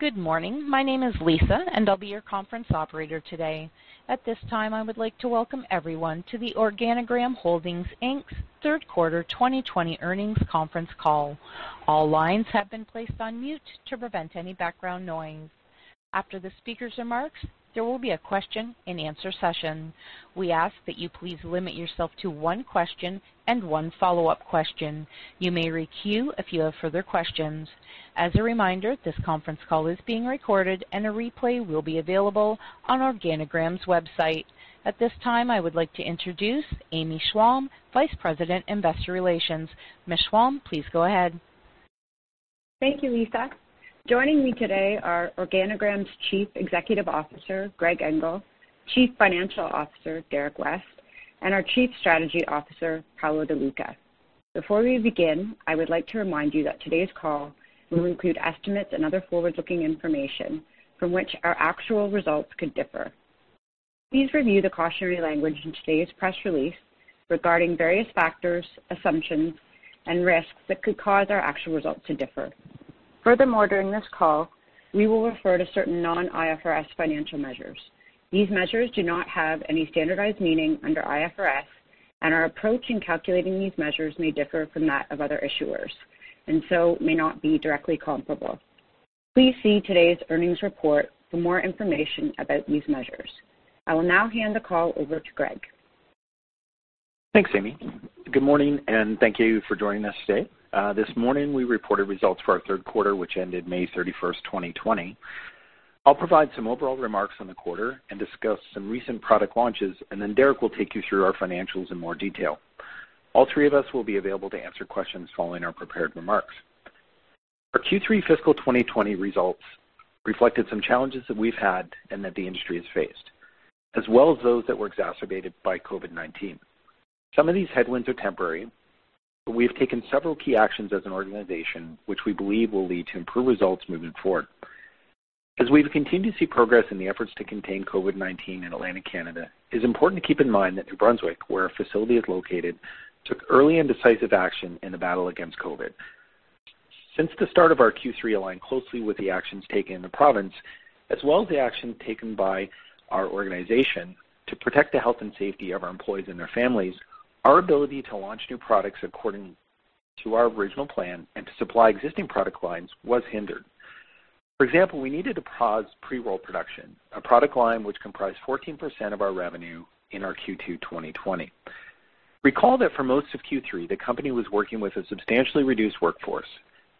Good morning. My name is Lisa, and I'll be your conference operator today. At this time, I would like to welcome everyone to the Organigram Holdings Inc.'s Third Quarter 2020 Earnings Conference Call. All lines have been placed on mute to prevent any background noise. After the speaker's remarks, there will be a question-and-answer session. We ask that you please limit yourself to one question and one follow-up question. You may requeue if you have further questions. As a reminder, this conference call is being recorded and a replay will be available on Organigram's website. At this time, I would like to introduce Amy Schwalm, Vice President, Investor Relations. Ms. Schwalm, please go ahead. Thank you, Lisa. Joining me today are Organigram's Chief Executive Officer, Greg Engel, Chief Financial Officer, Derrick West, and our Chief Strategy Officer, Paolo De Luca. Before we begin, I would like to remind you that today's call will include estimates and other forward-looking information from which our actual results could differ. Please review the cautionary language in today's press release regarding various factors, assumptions, and risks that could cause our actual results to differ. Furthermore, during this call, we will refer to certain non-IFRS financial measures. These measures do not have any standardized meaning under IFRS, and our approach in calculating these measures may differ from that of other issuers, and so may not be directly comparable. Please see today's earnings report for more information about these measures. I will now hand the call over to Greg. Thanks, Amy. Good morning, and thank you for joining us today. This morning, we reported results for our third quarter, which ended May 31st, 2020. I'll provide some overall remarks on the quarter and discuss some recent product launches, and then Derrick will take you through our financials in more detail. All three of us will be available to answer questions following our prepared remarks. Our Q3 fiscal 2020 results reflected some challenges that we've had and that the industry has faced, as well as those that were exacerbated by COVID-19. Some of these headwinds are temporary, but we have taken several key actions as an organization, which we believe will lead to improved results moving forward. As we've continued to see progress in the efforts to contain COVID-19 in Atlantic Canada, it's important to keep in mind that New Brunswick, where our facility is located, took early and decisive action in the battle against COVID. Since the start of our Q3 aligned closely with the actions taken in the province, as well as the action taken by our organization to protect the health and safety of our employees and their families, our ability to launch new products according to our original plan and to supply existing product lines was hindered. For example, we needed to pause pre-roll production, a product line which comprised 14% of our revenue in our Q2 2020. Recall that for most of Q3, the company was working with a substantially reduced workforce.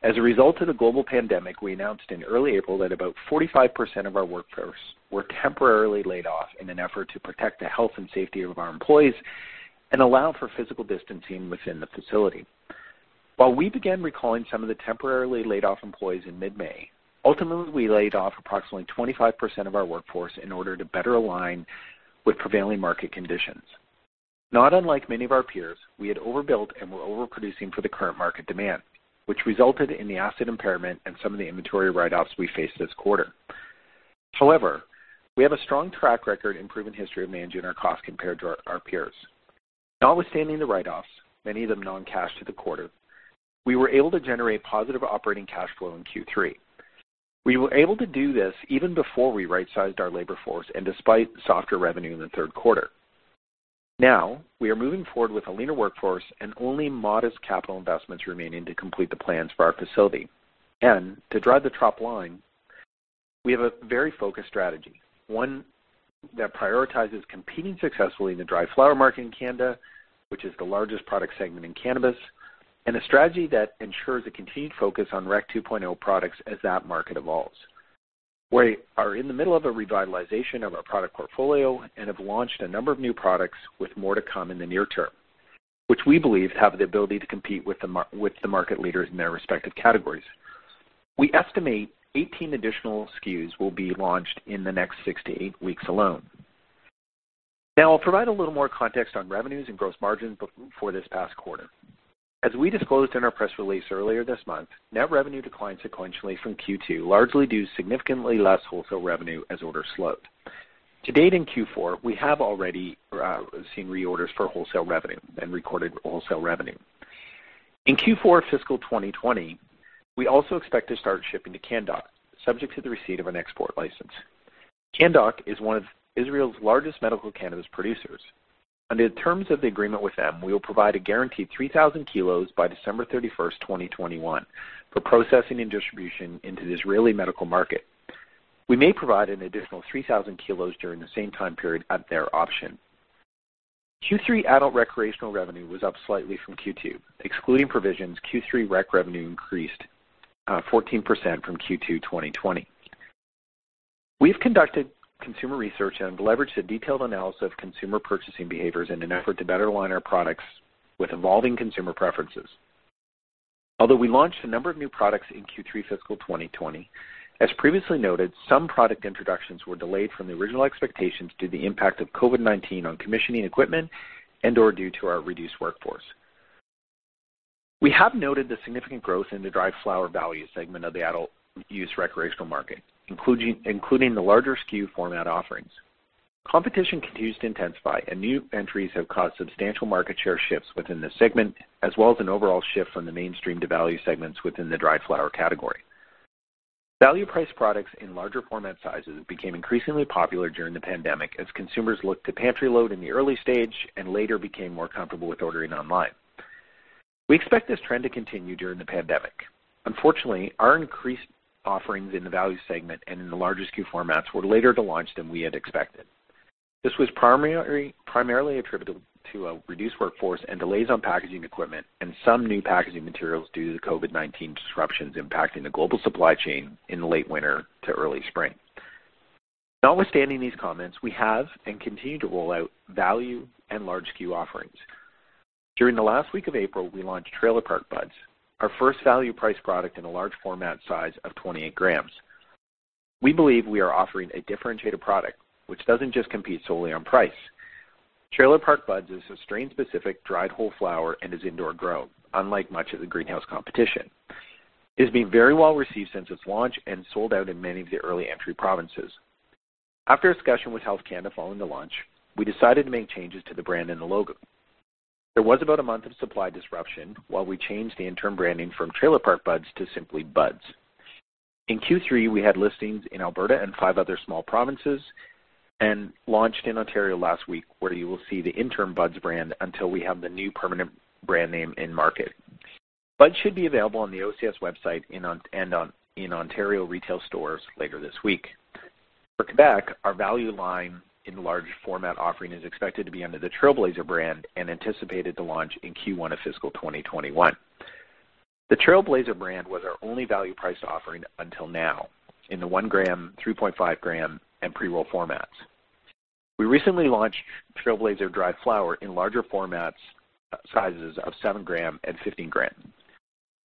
As a result of the global pandemic, we announced in early April that about 45% of our workforce were temporarily laid off in an effort to protect the health and safety of our employees and allow for physical distancing within the facility. While we began recalling some of the temporarily laid-off employees in mid-May, ultimately, we laid off approximately 25% of our workforce in order to better align with prevailing market conditions. Not unlike many of our peers, we had overbuilt and were overproducing for the current market demand, which resulted in the asset impairment and some of the inventory write-offs we faced this quarter. However, we have a strong track record and proven history of managing our costs compared to our peers. Notwithstanding the write-offs, many of them non-cash to the quarter, we were able to generate positive operating cash flow in Q3. We were able to do this even before we right-sized our labor force and despite softer revenue in the third quarter. Now, we are moving forward with a leaner workforce and only modest capital investments remaining to complete the plans for our facility. To drive the top line, we have a very focused strategy, one that prioritizes competing successfully in the dry flower market in Canada, which is the largest product segment in cannabis, and a strategy that ensures a continued focus on Rec 2.0 products as that market evolves. We are in the middle of a revitalization of our product portfolio and have launched a number of new products with more to come in the near term, which we believe have the ability to compete with the market leaders in their respective categories. We estimate eighteen additional SKUs will be launched in the next six to eight weeks alone. Now, I'll provide a little more context on revenues and gross margins for this past quarter. As we disclosed in our press release earlier this month, net revenue declined sequentially from Q2, largely due to significantly less wholesale revenue as orders slowed. To date, in Q4, we have already seen reorders for wholesale revenue and recorded wholesale revenue. In Q4 fiscal 2020, we also expect to start shipping to Canndoc, subject to the receipt of an export license. Canndoc is one of Israel's largest medical cannabis producers. Under the terms of the agreement with them, we will provide a guaranteed 3,000 kilos by December 31st, 2021, for processing and distribution into the Israeli medical market. We may provide an additional 3,000 kilos during the same time period at their option. Q3 adult recreational revenue was up slightly from Q2. Excluding provisions, Q3 rec revenue increased 14% from Q2 2020. We've conducted consumer research and leveraged a detailed analysis of consumer purchasing behaviors in an effort to better align our products with evolving consumer preferences. Although we launched a number of new products in Q3 fiscal 2020, as previously noted, some product introductions were delayed from the original expectations due to the impact of COVID-19 on commissioning equipment and/or due to our reduced workforce. We have noted the significant growth in the dry flower value segment of the adult use recreational market, including the larger SKU format offerings.... Competition continues to intensify, and new entries have caused substantial market share shifts within the segment, as well as an overall shift from the mainstream to value segments within the dry flower category. Value-priced products in larger format sizes became increasingly popular during the pandemic as consumers looked to pantry load in the early stage and later became more comfortable with ordering online. We expect this trend to continue during the pandemic. Unfortunately, our increased offerings in the value segment and in the larger SKU formats were later to launch than we had expected. This was primarily attributable to a reduced workforce and delays on packaging equipment and some new packaging materials due to the COVID-19 disruptions impacting the global supply chain in the late winter to early spring. Notwithstanding these comments, we have and continue to roll out value and large SKU offerings. During the last week of April, we launched Trailer Park Buds, our first value-priced product in a large format size of 28 grams. We believe we are offering a differentiated product, which doesn't just compete solely on price. Trailer Park Buds is a strain-specific, dried whole flower and is indoor grown, unlike much of the greenhouse competition. It's been very well received since its launch and sold out in many of the early entry provinces. After a discussion with Health Canada following the launch, we decided to make changes to the brand and the logo. There was about a month of supply disruption while we changed the interim branding from Trailer Park Buds to simply Buds. In Q3, we had listings in Alberta and five other small provinces, and launched in Ontario last week, where you will see the interim Buds brand until we have the new permanent brand name in market. Buds should be available on the OCS website in Ontario retail stores later this week. For Québec, our value line in large format offering is expected to be under the Trailblazer brand and anticipated to launch in Q1 of fiscal 2021. The Trailblazer brand was our only value-priced offering until now in the one-gram, 3.5-gram, and pre-roll formats. We recently launched Trailblazer dry flower in larger formats, sizes of seven-gram and 15-gram.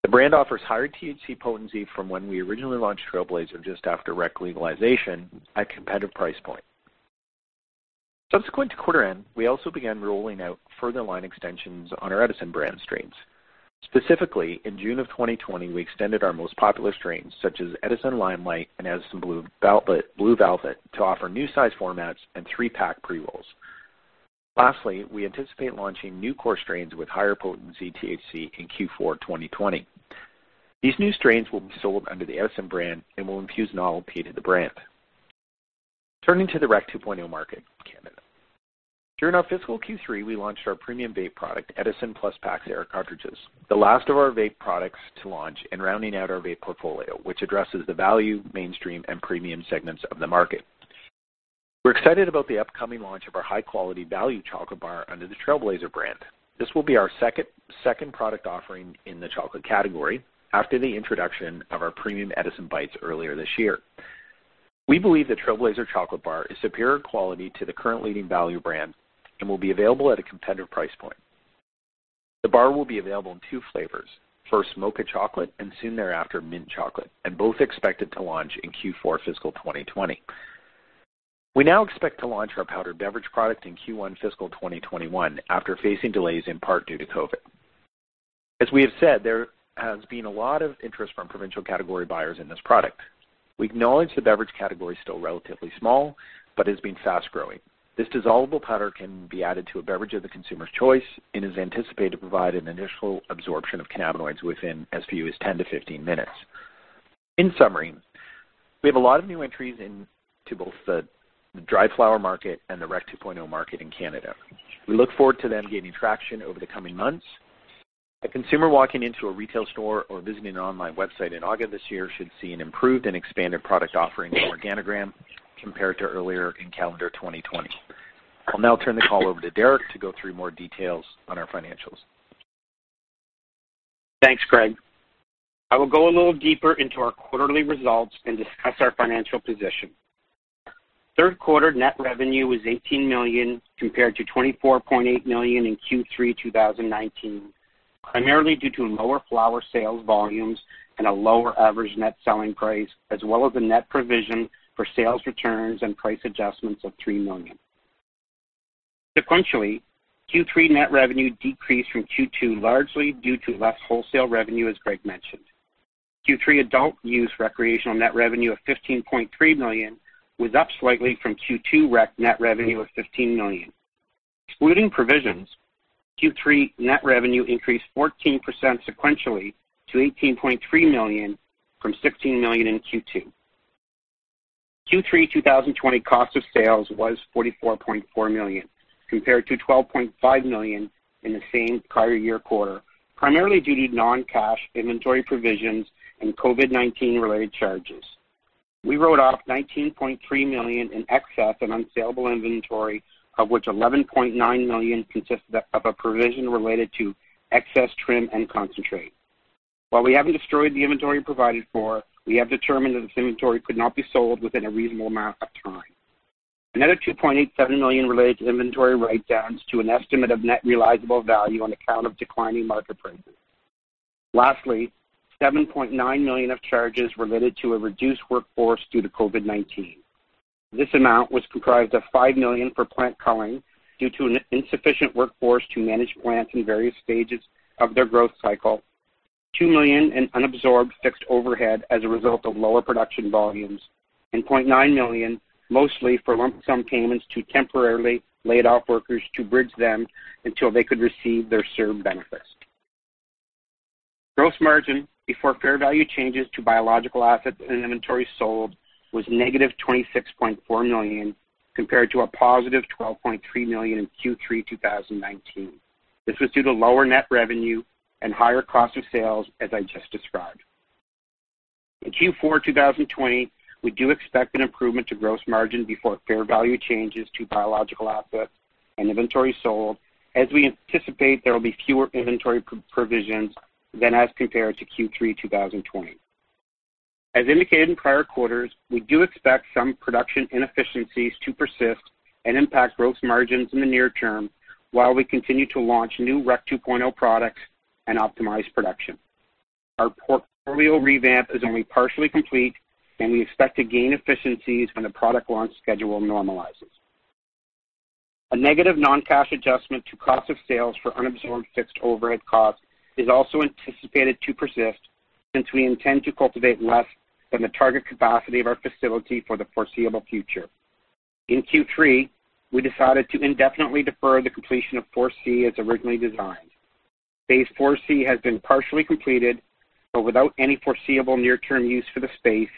The brand offers higher THC potency from when we originally launched Trailblazer just after rec legalization at competitive price point. Subsequent to quarter end, we also began rolling out further line extensions on our Edison brand strains. Specifically, in June of 2020, we extended our most popular strains, such as Edison Limelight and Edison Blue Velvet, Blue Velvet, to offer new size formats and three-pack pre-rolls. Lastly, we anticipate launching new core strains with higher potency THC in Q4 2020. These new strains will be sold under the Edison brand and will infuse novelty to the brand. Turning to the Rec 2.0 market in Canada. During our fiscal Q3, we launched our premium vape product, Edison Plus PAX Era cartridges, the last of our vape products to launch and rounding out our vape portfolio, which addresses the value, mainstream, and premium segments of the market. We're excited about the upcoming launch of our high-quality value chocolate bar under the Trailblazer brand. This will be our second product offering in the chocolate category after the introduction of our premium Edison Bytes earlier this year. We believe the Trailblazer chocolate bar is superior quality to the current leading value brand and will be available at a competitive price point. The bar will be available in two flavors: first, mocha chocolate, and soon thereafter, mint chocolate, and both expected to launch in Q4 fiscal 2020. We now expect to launch our powdered beverage product in Q1 fiscal 2021, after facing delays, in part, due to COVID. As we have said, there has been a lot of interest from provincial category buyers in this product. We acknowledge the beverage category is still relatively small, but it's been fast-growing. This dissolvable powder can be added to a beverage of the consumer's choice and is anticipated to provide an initial absorption of cannabinoids within as few as 10-15 minutes. In summary, we have a lot of new entries into both the dry flower market and the Rec 2.0 market in Canada. We look forward to them gaining traction over the coming months. A consumer walking into a retail store or visiting an online website in August this year should see an improved and expanded product offering from Organigram compared to earlier in calendar 2020. I'll now turn the call over to Derrick to go through more details on our financials. Thanks, Greg. I will go a little deeper into our quarterly results and discuss our financial position. Third quarter net revenue was 18 million, compared to 24.8 million in Q3 2019, primarily due to lower flower sales volumes and a lower average net selling price, as well as a net provision for sales returns and price adjustments of 3 million. Sequentially, Q3 net revenue decreased from Q2, largely due to less wholesale revenue, as Greg mentioned. Q3 adult-use recreational net revenue of 15.3 million was up slightly from Q2 rec net revenue of 15 million. Excluding provisions, Q3 net revenue increased 14% sequentially to 18.3 million from 16 million in Q2. Q3 2020 cost of sales was 44.4 million, compared to 12.5 million in the same prior year quarter, primarily due to non-cash inventory provisions and COVID-19-related charges. We wrote off 19.3 million in excess and unsaleable inventory, of which 11.9 million consisted of a provision related to excess trim and concentrate. While we haven't destroyed the inventory provided for, we have determined that this inventory could not be sold within a reasonable amount of time. Another 2.87 million related to inventory write-downs to an estimate of net realizable value on account of declining market prices. Lastly, 7.9 million of charges related to a reduced workforce due to COVID-19. This amount was comprised of 5 million for plant culling due to an insufficient workforce to manage plants in various stages of their growth cycle.... 2 million in unabsorbed fixed overhead as a result of lower production volumes, and 0.9 million, mostly for lump sum payments to temporarily laid-off workers to bridge them until they could receive their CERB benefits. Gross margin before fair value changes to biological assets and inventory sold was -26.4 million, compared to a +12.3 million in Q3 2019. This was due to lower net revenue and higher cost of sales, as I just described. In Q4 2020, we do expect an improvement to gross margin before fair value changes to biological assets and inventory sold, as we anticipate there will be fewer inventory provisions than as compared to Q3 2020. As indicated in prior quarters, we do expect some production inefficiencies to persist and impact gross margins in the near term while we continue to launch new Rec 2.0 products and optimize production. Our portfolio revamp is only partially complete, and we expect to gain efficiencies when the product launch schedule normalizes. A negative non-cash adjustment to cost of sales for unabsorbed fixed overhead costs is also anticipated to persist since we intend to cultivate less than the target capacity of our facility for the foreseeable future. In Q3, we decided to indefinitely defer the completion of 4C as originally designed. Phase 4C has been partially completed, but without any foreseeable near-term use for the space,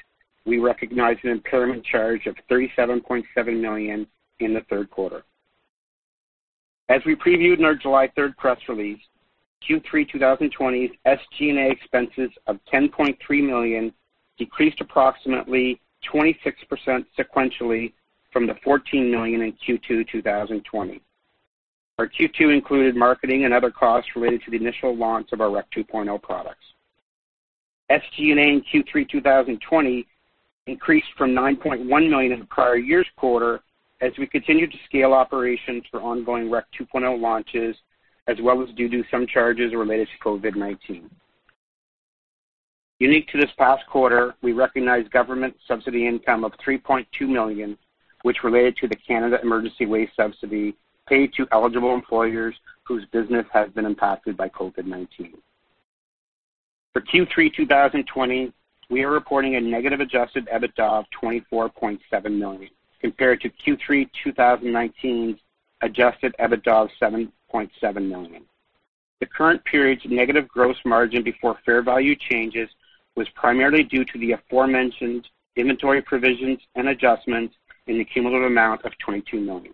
we recognized an impairment charge of 37.7 million in the third quarter. As we previewed in our July 3rd press release, Q3 2020's SG&A expenses of 10.3 million decreased approximately 26% sequentially from the 14 million in Q2 2020. Our Q2 included marketing and other costs related to the initial launch of our Rec 2.0 products. SG&A in Q3 2020 increased from 9.1 million in the prior year's quarter as we continued to scale operations for ongoing Rec 2.0 launches, as well as due to some charges related to COVID-19. Unique to this past quarter, we recognized government subsidy income of 3.2 million, which related to the Canada Emergency Wage Subsidy paid to eligible employers whose business has been impacted by COVID-19. For Q3 2020, we are reporting a negative adjusted EBITDA of 24.7 million, compared to Q3 2019's adjusted EBITDA of 7.7 million. The current period's negative gross margin before fair value changes was primarily due to the aforementioned inventory provisions and adjustments in the cumulative amount of 22 million.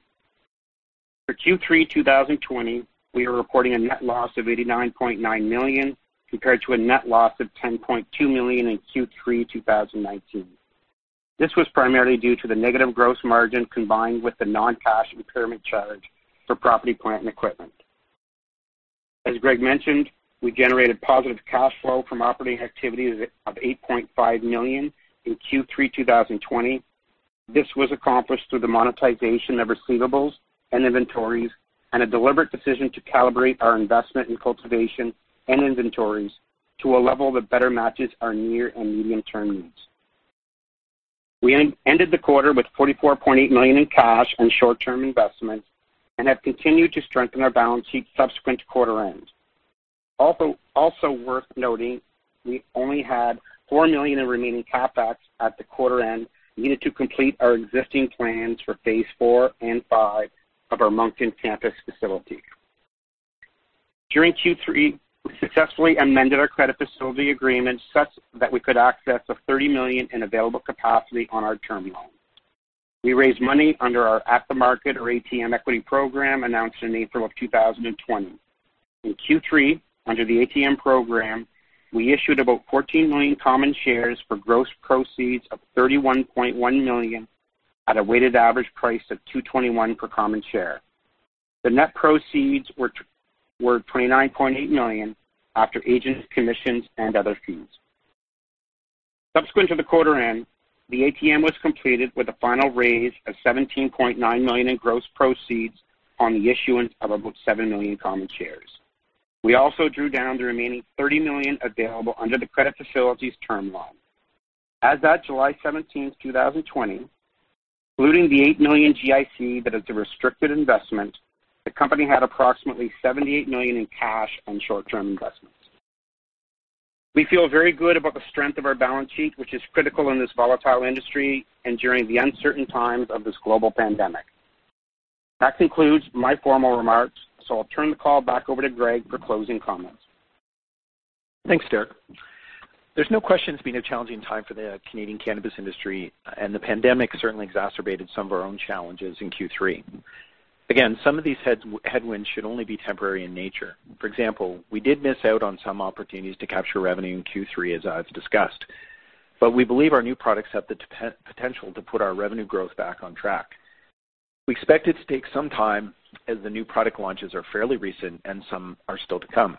For Q3 2020, we are reporting a net loss of 89.9 million, compared to a net loss of 10.2 million in Q3 2019. This was primarily due to the negative gross margin, combined with the non-cash impairment charge for property, plant, and equipment. As Greg mentioned, we generated positive cash flow from operating activities of 8.5 million in Q3 2020. This was accomplished through the monetization of receivables and inventories, and a deliberate decision to calibrate our investment in cultivation and inventories to a level that better matches our near and medium-term needs. We ended the quarter with 44.8 million in cash and short-term investments and have continued to strengthen our balance sheet subsequent to quarter end. Also worth noting, we only had 4 million in remaining CapEx at the quarter end, needed to complete our existing plans for Phase 4 and 5 of our Moncton campus facility. During Q3, we successfully amended our credit facility agreement such that we could access the 30 million in available capacity on our term loan. We raised money under our at-the-market, or ATM, equity program announced in April of 2020. In Q3, under the ATM program, we issued about 14 million common shares for gross proceeds of 31.1 million at a weighted average price of 2.21 per common share. The net proceeds were 29.8 million after agents, commissions, and other fees. Subsequent to the quarter end, the ATM was completed with a final raise of 17.9 million in gross proceeds on the issuance of about 7 million common shares. We also drew down the remaining 30 million available under the credit facilities term loan. As at July 17th, 2020, including the 8 million GIC that is a restricted investment, the company had approximately 78 million in cash and short-term investments. We feel very good about the strength of our balance sheet, which is critical in this volatile industry and during the uncertain times of this global pandemic. That concludes my formal remarks, so I'll turn the call back over to Greg for closing comments. Thanks, Derrick. There's no question it's been a challenging time for the Canadian Cannabis industry, and the pandemic certainly exacerbated some of our own challenges in Q3. Again, some of these headwinds should only be temporary in nature. For example, we did miss out on some opportunities to capture revenue in Q3, as I've discussed, but we believe our new products have the potential to put our revenue growth back on track. We expect it to take some time, as the new product launches are fairly recent and some are still to come.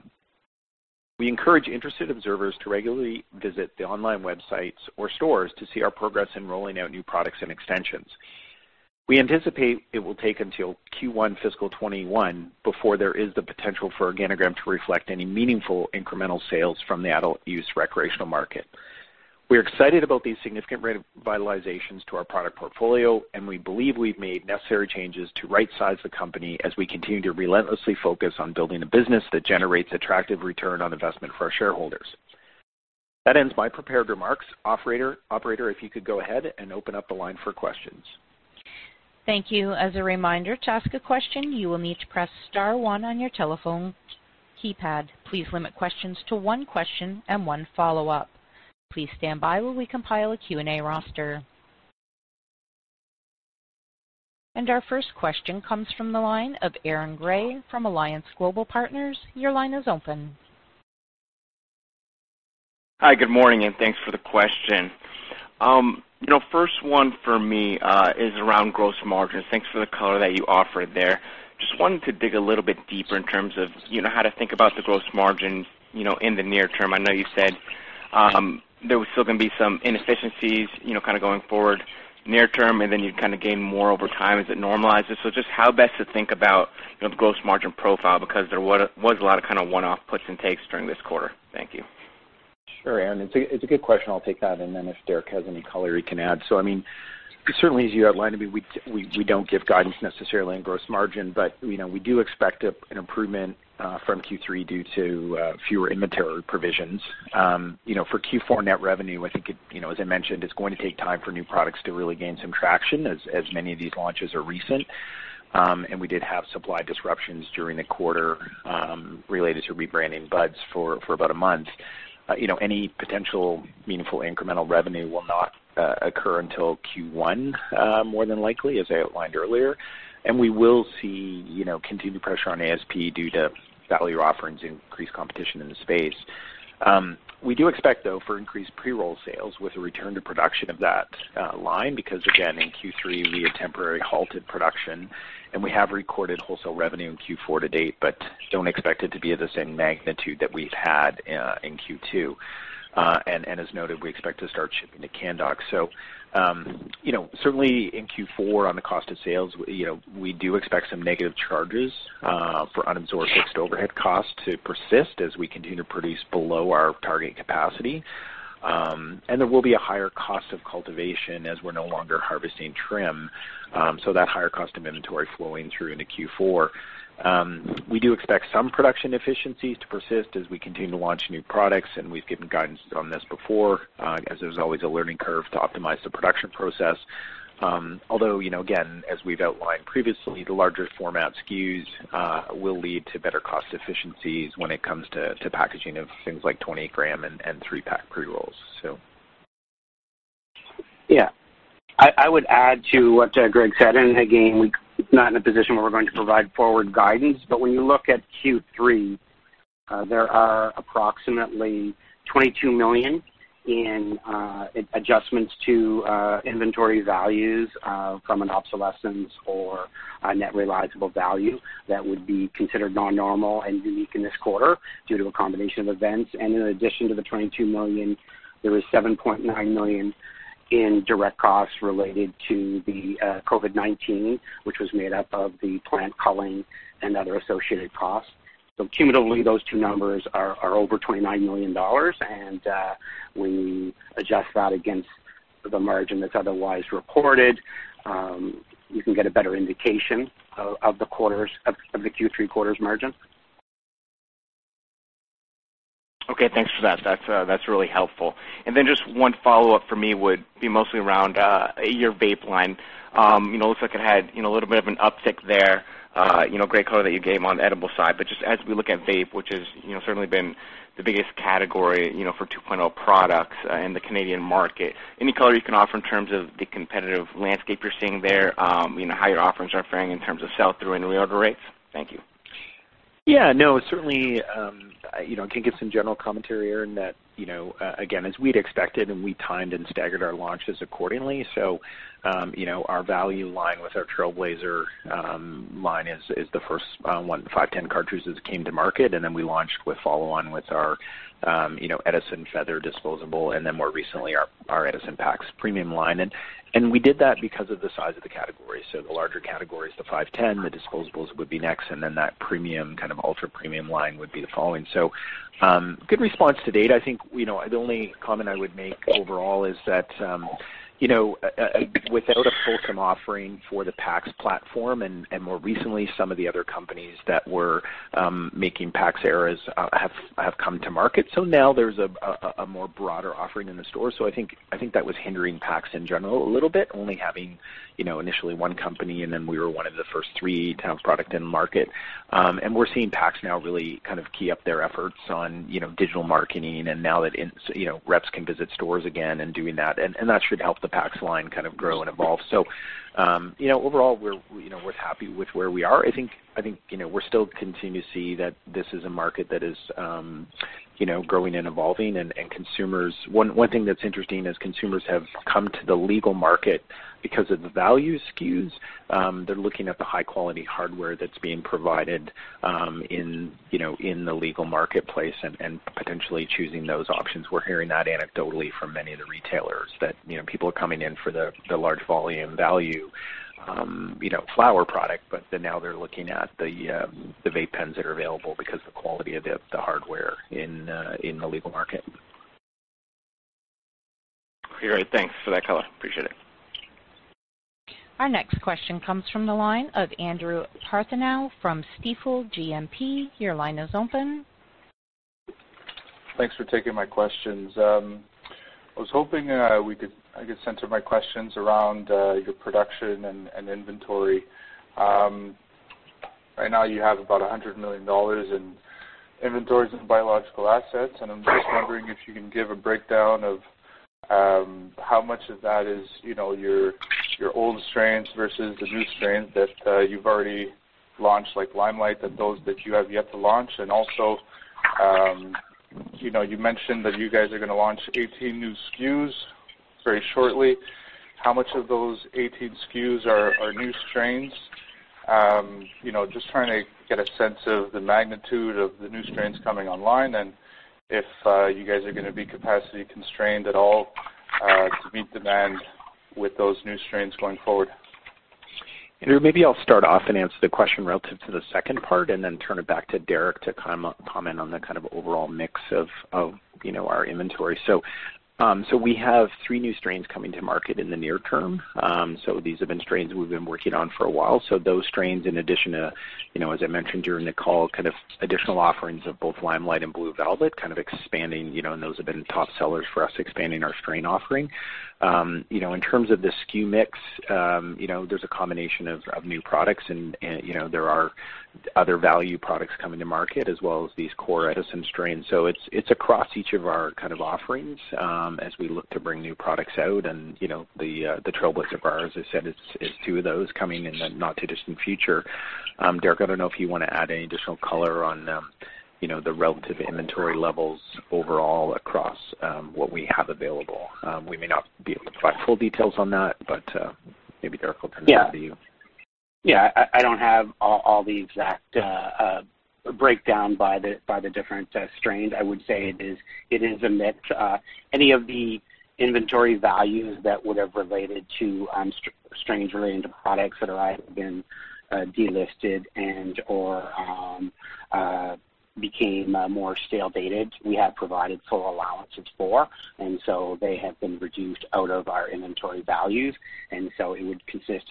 We encourage interested observers to regularly visit the online websites or stores to see our progress in rolling out new products and extensions. We anticipate it will take until Q1 fiscal 2021 before there is the potential for Organigram to reflect any meaningful incremental sales from the adult-use recreational market. We're excited about these significant additions to our product portfolio, and we believe we've made necessary changes to rightsize the company as we continue to relentlessly focus on building a business that generates attractive return on investment for our shareholders. That ends my prepared remarks. Operator, operator, if you could go ahead and open up the line for questions. Thank you. As a reminder, to ask a question, you will need to press star one on your telephone keypad. Please limit questions to one question and one follow-up. Please stand by while we compile a Q&A roster, and our first question comes from the line of Aaron Grey from Alliance Global Partners. Your line is open. Hi, good morning, and thanks for the question. You know, first one for me is around gross margins. Thanks for the color that you offered there. Just wanted to dig a little bit deeper in terms of, you know, how to think about the gross margin, you know, in the near term. I know you said there was still gonna be some inefficiencies, you know, kind of going forward near term, and then you'd kind of gain more over time as it normalizes. So just how best to think about, you know, the gross margin profile, because there was a lot of kind of one-off puts and takes during this quarter. Thank you. Sure, Aaron, it's a good question. I'll take that, and then if Derrick has any color, he can add. So, I mean, certainly, as you outlined, I mean, we don't give guidance necessarily on gross margin, but, you know, we do expect an improvement from Q3 due to fewer inventory provisions. You know, for Q4 net revenue, I think it, you know, as I mentioned, it's going to take time for new products to really gain some traction as many of these launches are recent. And we did have supply disruptions during the quarter related to rebranding Buds for about a month. You know, any potential meaningful incremental revenue will not occur until Q1, more than likely, as I outlined earlier. And we will see, you know, continued pressure on ASP due to value offerings and increased competition in the space. We do expect, though, for increased pre-roll sales with a return to production of that line, because again, in Q3, we had temporarily halted production, and we have recorded wholesale revenue in Q4 to date, but don't expect it to be of the same magnitude that we've had in Q2. And as noted, we expect to start shipping to Canndoc. So, you know, certainly in Q4, on the cost of sales, you know, we do expect some negative charges for unabsorbed fixed overhead costs to persist as we continue to produce below our target capacity. And there will be a higher cost of cultivation as we're no longer harvesting trim, so that higher cost of inventory flowing through into Q4. We do expect some production efficiencies to persist as we continue to launch new products, and we've given guidance on this before, as there's always a learning curve to optimize the production process. Although, you know, again, as we've outlined previously, the larger format SKUs will lead to better cost efficiencies when it comes to packaging of things like 20-gram and three-pack pre-rolls, so. Yeah. I would add to what Greg said, and again, we're not in a position where we're going to provide forward guidance. But when you look at Q3, there are approximately 22 million in adjustments to inventory values from an obsolescence or a net realizable value that would be considered non-normal and unique in this quarter due to a combination of events. And in addition to the 22 million, there is 7.9 million in direct costs related to the COVID-19, which was made up of the plant culling and other associated costs. So cumulatively, those two numbers are over 29 million dollars, and when you adjust that against the margin that's otherwise reported, you can get a better indication of the quarter's of the Q3 quarter's margin. Okay, thanks for that. That's really helpful. And then just one follow-up for me would be mostly around your vape line. You know, looks like it had a little bit of an uptick there. You know, great color that you gave on the edible side, but just as we look at vape, which has certainly been the biggest category for 2.0 products in the Canadian market, any color you can offer in terms of the competitive landscape you're seeing there? You know, how your offerings are faring in terms of sell-through and reorder rates. Thank you. Yeah, no, certainly, you know, I can give some general commentary, Aaron, that, you know, again, as we'd expected, and we timed and staggered our launches accordingly. So, you know, our value line with our Trailblazer line is the first, 510 cartridges came to market, and then we launched with follow-on with our, you know, Edison Feather disposable, and then more recently, our Edison PAX premium line. And, and we did that because of the size of the category. So the larger categories, the 510, the disposables would be next, and then that premium, kind of ultra-premium line would be the following. So, good response to date. I think, you know, the only comment I would make overall is that, you know, without a full complement offering for the PAX platform, and more recently, some of the other companies that were making PAX Eras have come to market. So now there's a more broader offering in the store. So I think that was hindering PAX in general a little bit, only having, you know, initially one company, and then we were one of the first three to have product in market. And we're seeing PAX now really kind of kick up their efforts on, you know, digital marketing, and now that, you know, reps can visit stores again and doing that, and that should help the PAX line kind of grow and evolve. So, you know, overall, we're, you know, we're happy with where we are. I think, you know, we're still continuing to see that this is a market that is, you know, growing and evolving, and consumers. One thing that's interesting is consumers have come to the legal market because of the value SKUs. They're looking at the high-quality hardware that's being provided in the legal marketplace and potentially choosing those options. We're hearing that anecdotally from many of the retailers, that, you know, people are coming in for the large volume value. You know, flower product, but then now they're looking at the vape pens that are available because the quality of the hardware in the legal market. Great. Thanks for that color. Appreciate it. Our next question comes from the line of Andrew Partheniou from Stifel GMP. Your line is open. Thanks for taking my questions. I was hoping we could, I could center my questions around your production and inventory. Right now, you have about 100 million dollars in inventories and biological assets, and I'm just wondering if you can give a breakdown of how much of that is, you know, your old strains vs the new strains that you've already launched, like Limelight, and those that you have yet to launch. And also, you know, you mentioned that you guys are gonna launch 18 new SKUs very shortly. How much of those 18 SKUs are new strains? You know, just trying to get a sense of the magnitude of the new strains coming online, and if you guys are gonna be capacity constrained at all to meet demand with those new strains going forward. Andrew, maybe I'll start off and answer the question relative to the second part, and then turn it back to Derrick to comment on the kind of overall mix of, you know, our inventory. So, we have three new strains coming to market in the near term. So these have been strains we've been working on for a while. So those strains, in addition to, you know, as I mentioned during the call, kind of additional offerings of both Limelight and Blue Velvet, kind of expanding, you know, and those have been top sellers for us, expanding our strain offering. You know, in terms of the SKU mix, you know, there's a combination of new products and, you know, there are other value products coming to market, as well as these core Edison strains. So it's across each of our kind of offerings, as we look to bring new products out. And, you know, the Trailblazer bars, as I said, is two of those coming in the not-too-distant future. Derrick, I don't know if you want to add any additional color on, you know, the relative inventory levels overall across what we have available. We may not be able to provide full details on that, but maybe Derrick will turn it over to you. Yeah. Yeah, I don't have all the exact breakdown by the different strains. I would say it is a mix. Any of the inventory values that would have related to strains related to products that are either been delisted and/or became more stale dated, we have provided full allowances for, and so they have been reduced out of our inventory values. And so it would consist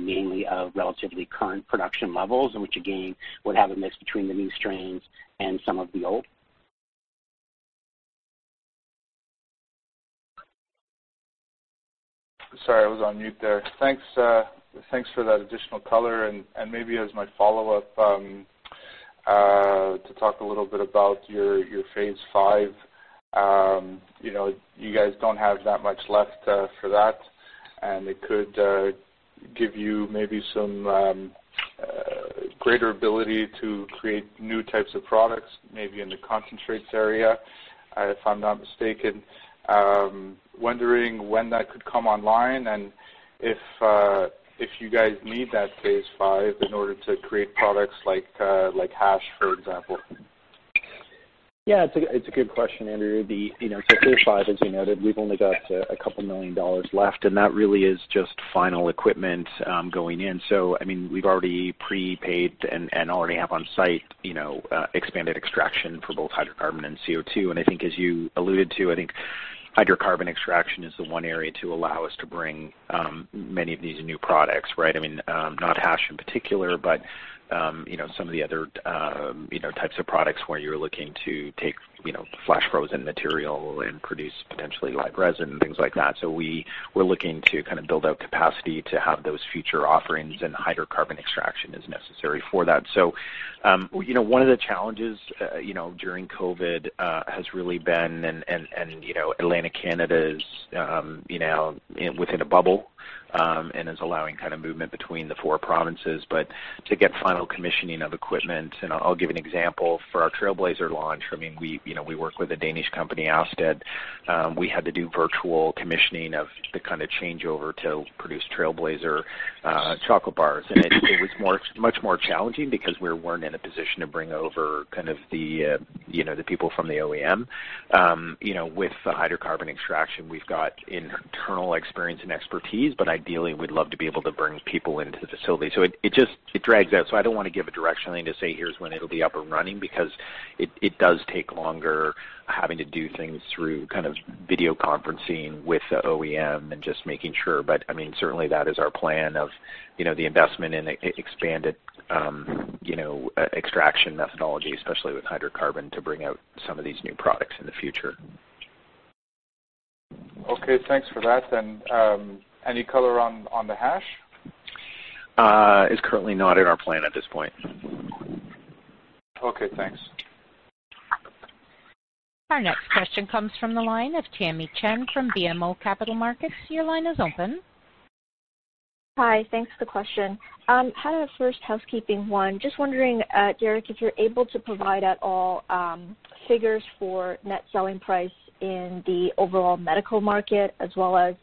mainly of relatively current production levels, which, again, would have a mix between the new strains and some of the old. Sorry, I was on mute there. Thanks for that additional color. And maybe as my follow-up, to talk a little bit about your Phase 5. You know, you guys don't have that much left for that, and it could give you maybe some greater ability to create new types of products, maybe in the concentrates area, if I'm not mistaken. Wondering when that could come online, and if you guys need that Phase 5 in order to create products like hash, for example. Yeah, it's a good question, Andrew. The, you know, so Phase 5, as you noted, we've only got 2 million dollars left, and that really is just final equipment going in. So, I mean, we've already prepaid and already have on site, you know, expanded extraction for both hydrocarbon and CO2. And I think as you alluded to, I think hydrocarbon extraction is the one area to allow us to bring many of these new products, right? I mean, not hash in particular, but, you know, some of the other types of products where you're looking to take, you know, flash frozen material and produce potentially, like, resin and things like that. So we're looking to kind of build out capacity to have those future offerings, and hydrocarbon extraction is necessary for that. So, you know, one of the challenges, you know, during COVID, has really been and you know, Atlantic Canada is, you know, within a bubble, and is allowing kind of movement between the four provinces. But to get final commissioning of equipment, and I'll give an example, for our Trailblazer launch, I mean, we, you know, we work with a Danish company, Aasted. We had to do virtual commissioning of the kind of changeover to produce Trailblazer chocolate bars. And it was much more challenging because we weren't in a position to bring over kind of the, you know, the people from the OEM. You know, with hydrocarbon extraction, we've got internal experience and expertise, but ideally, we'd love to be able to bring people into the facility. So it just drags out. So I don't want to give a directionally, and to say, "Here's when it'll be up and running," because it does take longer having to do things through kind of video conferencing with the OEM and just making sure. But, I mean, certainly that is our plan of, you know, the investment in expanded, you know, extraction methodology, especially with hydrocarbon, to bring out some of these new products in the future. Okay, thanks for that. And, any color on the hash? It's currently not in our plan at this point. Okay, thanks. Our next question comes from the line of Tamy Chen from BMO Capital Markets. Your line is open. Hi, thanks for the question. Kind of a first housekeeping one. Just wondering, Derrick, if you're able to provide at all, figures for net selling price in the overall medical market, as well as,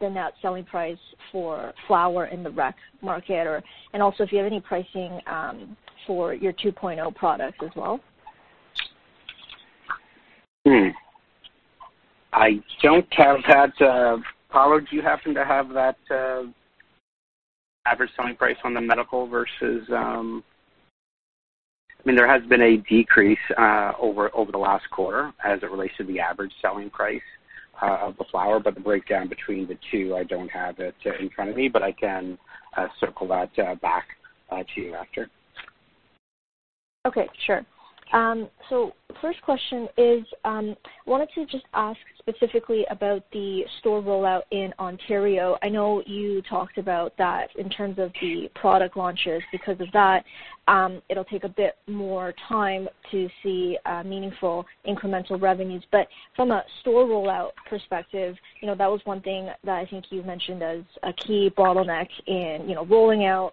the net selling price for flower in the rec market or... and also if you have any pricing, for your 2.0 products as well?... Hmm. I don't have that. Paolo, do you happen to have that average selling price on the medical vs? I mean, there has been a decrease over the last quarter as it relates to the average selling price of the flower, but the breakdown between the two, I don't have it in front of me, but I can circle that back to you after. Okay, sure. So first question is, wanted to just ask specifically about the store rollout in Ontario. I know you talked about that in terms of the product launches. Because of that, it'll take a bit more time to see meaningful incremental revenues. But from a store rollout perspective, you know, that was one thing that I think you mentioned as a key bottleneck in, you know, rolling out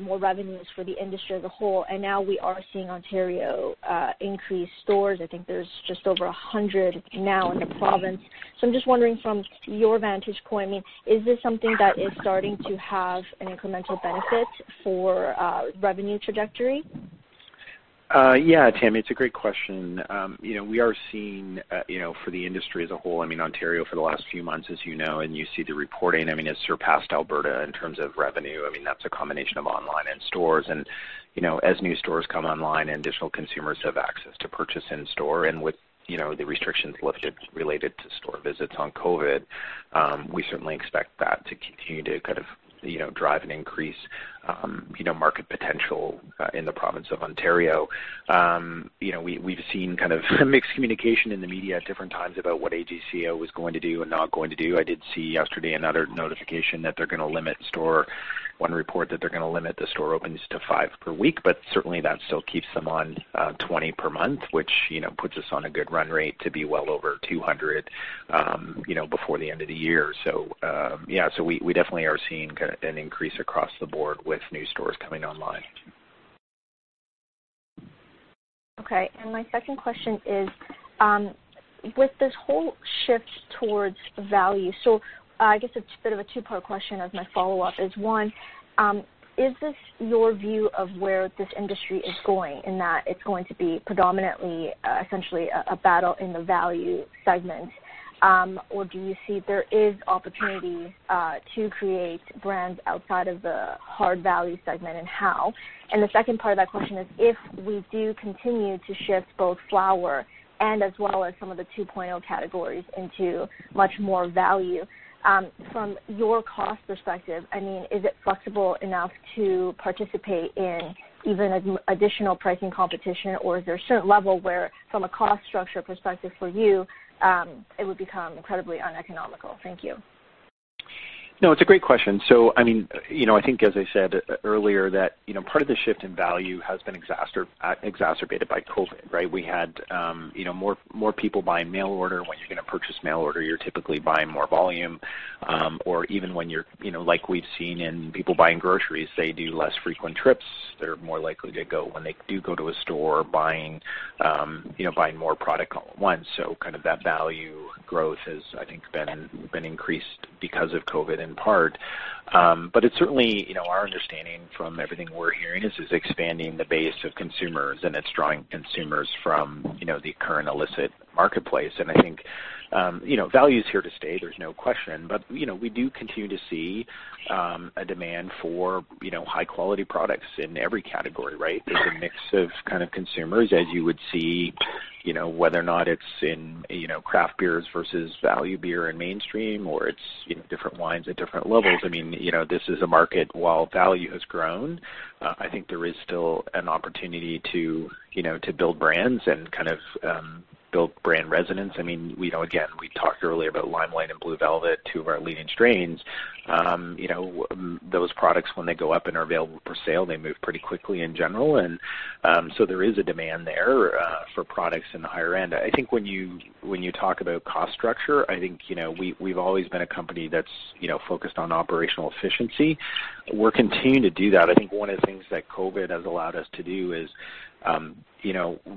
more revenues for the industry as a whole, and now we are seeing Ontario increase stores. I think there's just over a hundred now in the province. So I'm just wondering from your vantage point, I mean, is this something that is starting to have an incremental benefit for revenue trajectory? Yeah, Tamy, it's a great question. You know, we are seeing, you know, for the industry as a whole, I mean, Ontario for the last few months, as you know, and you see the reporting, I mean, has surpassed Alberta in terms of revenue. I mean, that's a combination of online and stores. And, you know, as new stores come online and additional consumers have access to purchase in store, and with, you know, the restrictions lifted related to store visits on COVID, we certainly expect that to continue to kind of, you know, drive and increase, you know, market potential, in the province of Ontario. You know, we, we've seen kind of mixed communication in the media at different times about what AGCO is going to do and not going to do. I did see yesterday another notification that they're gonna limit the store openings to five per week, but certainly that still keeps them on 20 per month, which, you know, puts us on a good run rate to be well over 200, you know, before the end of the year. So, yeah, so we definitely are seeing kind of an increase across the board with new stores coming online. Okay, and my second question is, with this whole shift towards value, so, I guess it's a bit of a two-part question as my follow-up, is, one, is this your view of where this industry is going, in that it's going to be predominantly, essentially a battle in the value segment? Or do you see there is opportunity to create brands outside of the hard value segment, and how? And the second part of that question is, if we do continue to shift both flower and as well as some of the 2.0 categories into much more value, from your cost perspective, I mean, is it flexible enough to participate in even additional pricing competition, or is there a certain level where, from a cost structure perspective for you, it would become incredibly uneconomical? Thank you. No, it's a great question. So, I mean, you know, I think, as I said earlier, that, you know, part of the shift in value has been exacerbated by COVID, right? We had, you know, more people buying mail order. When you're gonna purchase mail order, you're typically buying more volume, or even when you're, you know, like we've seen in people buying groceries, they do less frequent trips. They're more likely to go, when they do go to a store, buying, you know, buying more product all at once. So kind of that value growth has, I think, been increased because of COVID in part. But it's certainly, you know, our understanding from everything we're hearing is it's expanding the base of consumers, and it's drawing consumers from, you know, the current illicit marketplace. I think, you know, value is here to stay, there's no question. But, you know, we do continue to see a demand for, you know, high-quality products in every category, right? There's a mix of kind of consumers as you would see, you know, whether or not it's in, you know, craft beers versus value beer and mainstream, or it's, you know, different wines at different levels. I mean, you know, this is a market, while value has grown, I think there is still an opportunity to, you know, to build brands and kind of build brand resonance. I mean, you know, again, we talked earlier about Limelight and Blue Velvet, two of our leading strains. You know, those products, when they go up and are available for sale, they move pretty quickly in general. There is a demand there for products in the higher end. I think when you talk about cost structure, I think you know we have always been a company that's you know focused on operational efficiency. We are continuing to do that. I think one of the things that COVID has allowed us to do is you know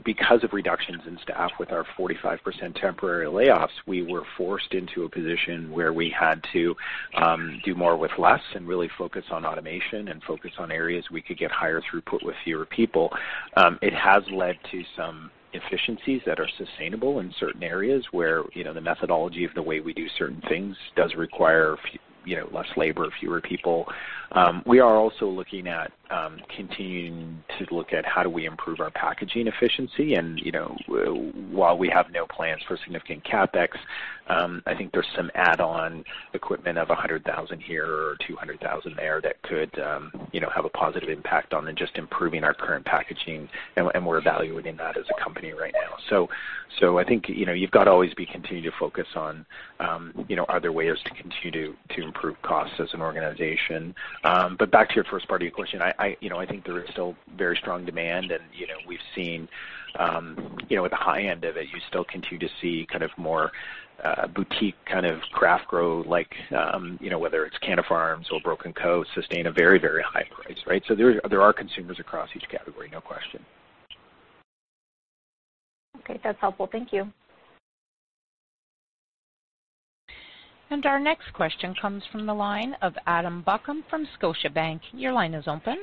because of reductions in staff with our 45% temporary layoffs, we were forced into a position where we had to do more with less and really focus on automation and focus on areas we could get higher throughput with fewer people. It has led to some efficiencies that are sustainable in certain areas, where you know the methodology of the way we do certain things does require you know less labor, fewer people. We are also looking at continuing to look at how do we improve our packaging efficiency, and you know, while we have no plans for significant CapEx, I think there's some add-on equipment of 100,000 here or 200,000 there that could, you know, have a positive impact on just improving our current packaging, and we're evaluating that as a company right now. I think, you know, you've got to always be continuing to focus on, you know, are there ways to continue to improve costs as an organization? But back to your first part of your question, I, you know, I think there is still very strong demand, and, you know, we've seen, you know, at the high end of it, you still continue to see kind of more, boutique kind of craft grow, like, you know, whether it's Canna Farms or Broken Coast, sustain a very, very high price, right? So there are consumers across each category, no question. Okay, that's helpful. Thank you. Our next question comes from the line of Adam Buckham from Scotiabank. Your line is open.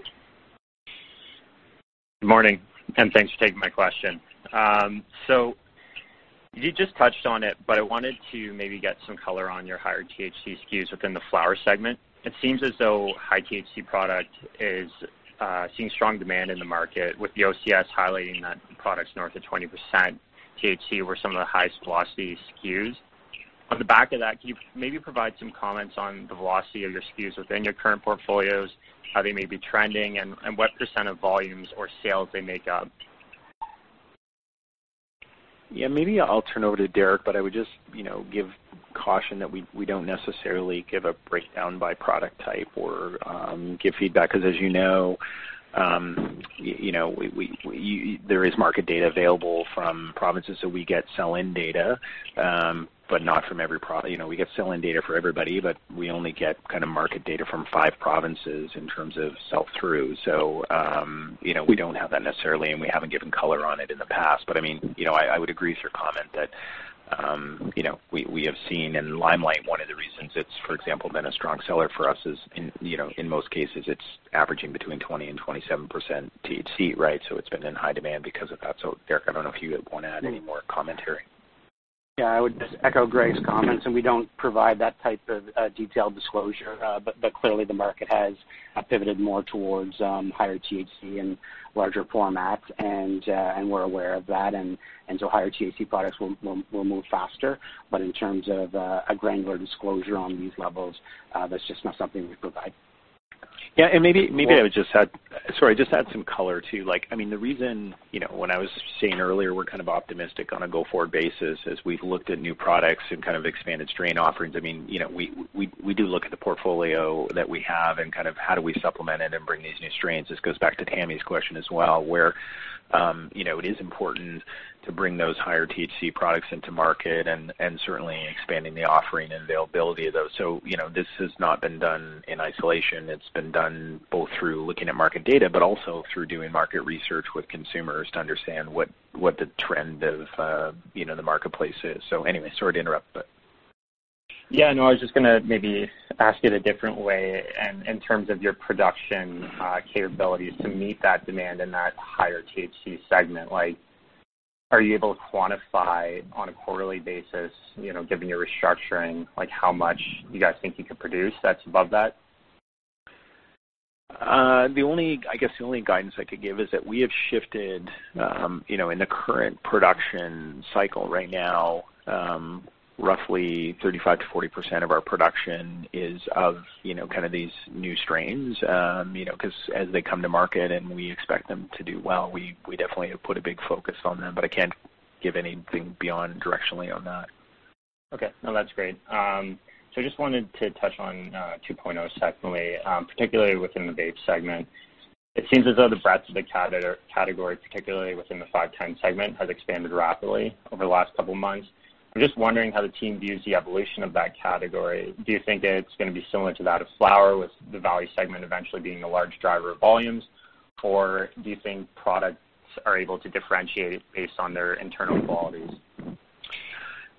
Good morning, and thanks for taking my question. So you just touched on it, but I wanted to maybe get some color on your higher THC SKUs within the flower segment. It seems as though high THC product is seeing strong demand in the market, with the OCS highlighting that products north of 20% THC were some of the highest velocity SKUs. On the back of that, can you maybe provide some comments on the velocity of your SKUs within your current portfolios, how they may be trending, and what percent of volumes or sales they make up? Yeah, maybe I'll turn it over to Derrick, but I would just, you know, give caution that we don't necessarily give a breakdown by product type or give feedback, because as you know, you know, there is market data available from provinces, so we get sell-in data, but not from every. You know, we get sell-in data for everybody, but we only get kind of market data from five provinces in terms of sell-through. So, you know, we don't have that necessarily, and we haven't given color on it in the past. But, I mean, you know, I would agree with your comment that, you know, we have seen in Limelight, one of the reasons it's, for example, been a strong seller for us is in, you know, in most cases, it's averaging between 20% and 27% THC, right? So, Derrick, I don't know if you want to add any more commentary. Yeah, I would just echo Greg's comments, and we don't provide that type of detailed disclosure. But clearly the market has pivoted more towards higher THC and larger formats, and we're aware of that. And so higher THC products will move faster. But in terms of a granular disclosure on these levels, that's just not something we provide. Yeah, and maybe I would just add... Sorry, just add some color, too. Like, I mean, the reason, you know, when I was saying earlier, we're kind of optimistic on a go-forward basis, as we've looked at new products and kind of expanded strain offerings, I mean, you know, we do look at the portfolio that we have and kind of how do we supplement it and bring these new strains. This goes back to Tamy's question as well, where, you know, it is important to bring those higher THC products into market and certainly expanding the offering and availability of those. So, you know, this has not been done in isolation. It's been done both through looking at market data, but also through doing market research with consumers to understand what the trend of, you know, the marketplace is. So anyway, sorry to interrupt, but. Yeah, no, I was just going to maybe ask it a different way. And in terms of your production capabilities to meet that demand in that higher THC segment, like, are you able to quantify on a quarterly basis, you know, given your restructuring, like, how much you guys think you could produce that's above that? The only guidance I could give is that we have shifted, you know, in the current production cycle right now, roughly 35%-40% of our production is of, you know, kind of these new strains. You know, because as they come to market and we expect them to do well, we definitely have put a big focus on them, but I can't give anything beyond directionally on that. Okay. No, that's great. So I just wanted to touch on 2.0 secondly, particularly within the vape segment. It seems as though the breadth of the category, particularly within the 510 segment, has expanded rapidly over the last couple of months. I'm just wondering how the team views the evolution of that category. Do you think it's going to be similar to that of flower, with the value segment eventually being a large driver of volumes? Or do you think products are able to differentiate based on their internal qualities?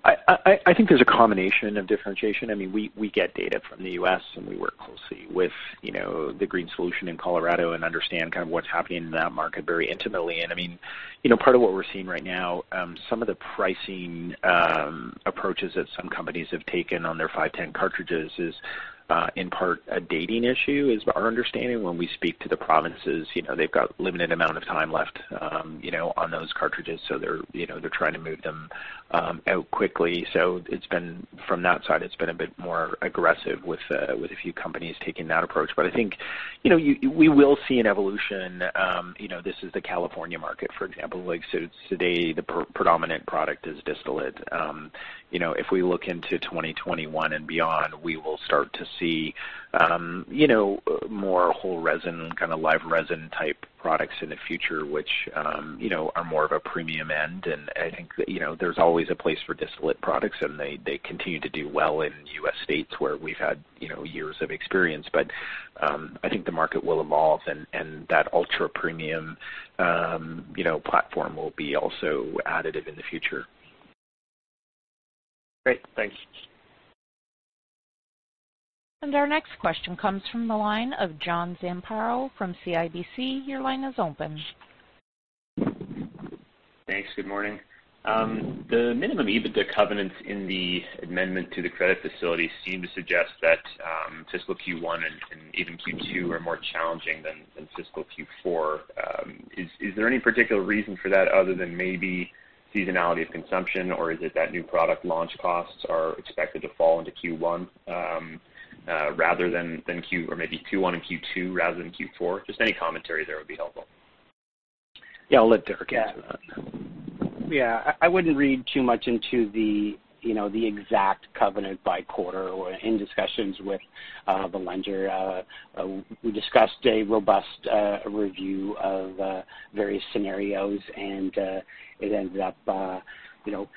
I think there's a combination of differentiation. I mean, we get data from the U.S., and we work closely with, you know, The Green Solution in Colorado and understand kind of what's happening in that market very intimately. And I mean, you know, part of what we're seeing right now, some of the pricing approaches that some companies have taken on their 510 cartridges is in part a dating issue, is our understanding when we speak to the provinces. You know, they've got limited amount of time left, you know, on those cartridges, so they're, you know, they're trying to move them out quickly. So it's been, from that side, it's been a bit more aggressive with a few companies taking that approach. But I think, you know, we will see an evolution. You know, this is the California market, for example, like, so today, the predominant product is distillate. You know, if we look into 2021 and beyond, we will start to see, you know, more whole resin, kind of live resin-type products in the future, which, you know, are more of a premium end. I think that, you know, there's always a place for distillate products, and they continue to do well in U.S. states where we've had, you know, years of experience. I think the market will evolve, and that ultra-premium, you know, platform will be also additive in the future. Great. Thanks. And our next question comes from the line of John Zamparo from CIBC. Your line is open. Thanks. Good morning. The minimum EBITDA covenants in the amendment to the credit facility seem to suggest that fiscal Q1 and even Q2 are more challenging than fiscal Q4. Is there any particular reason for that other than maybe seasonality of consumption, or is it that new product launch costs are expected to fall into Q1 rather than Q4? Or maybe Q1 and Q2 rather than Q4? Just any commentary there would be helpful. Yeah, I'll let Derrick get into that. Yeah. I wouldn't read too much into the, you know, the exact covenant by quarter. We're in discussions with the lender. We discussed a robust review of various scenarios, and it ended up, you know,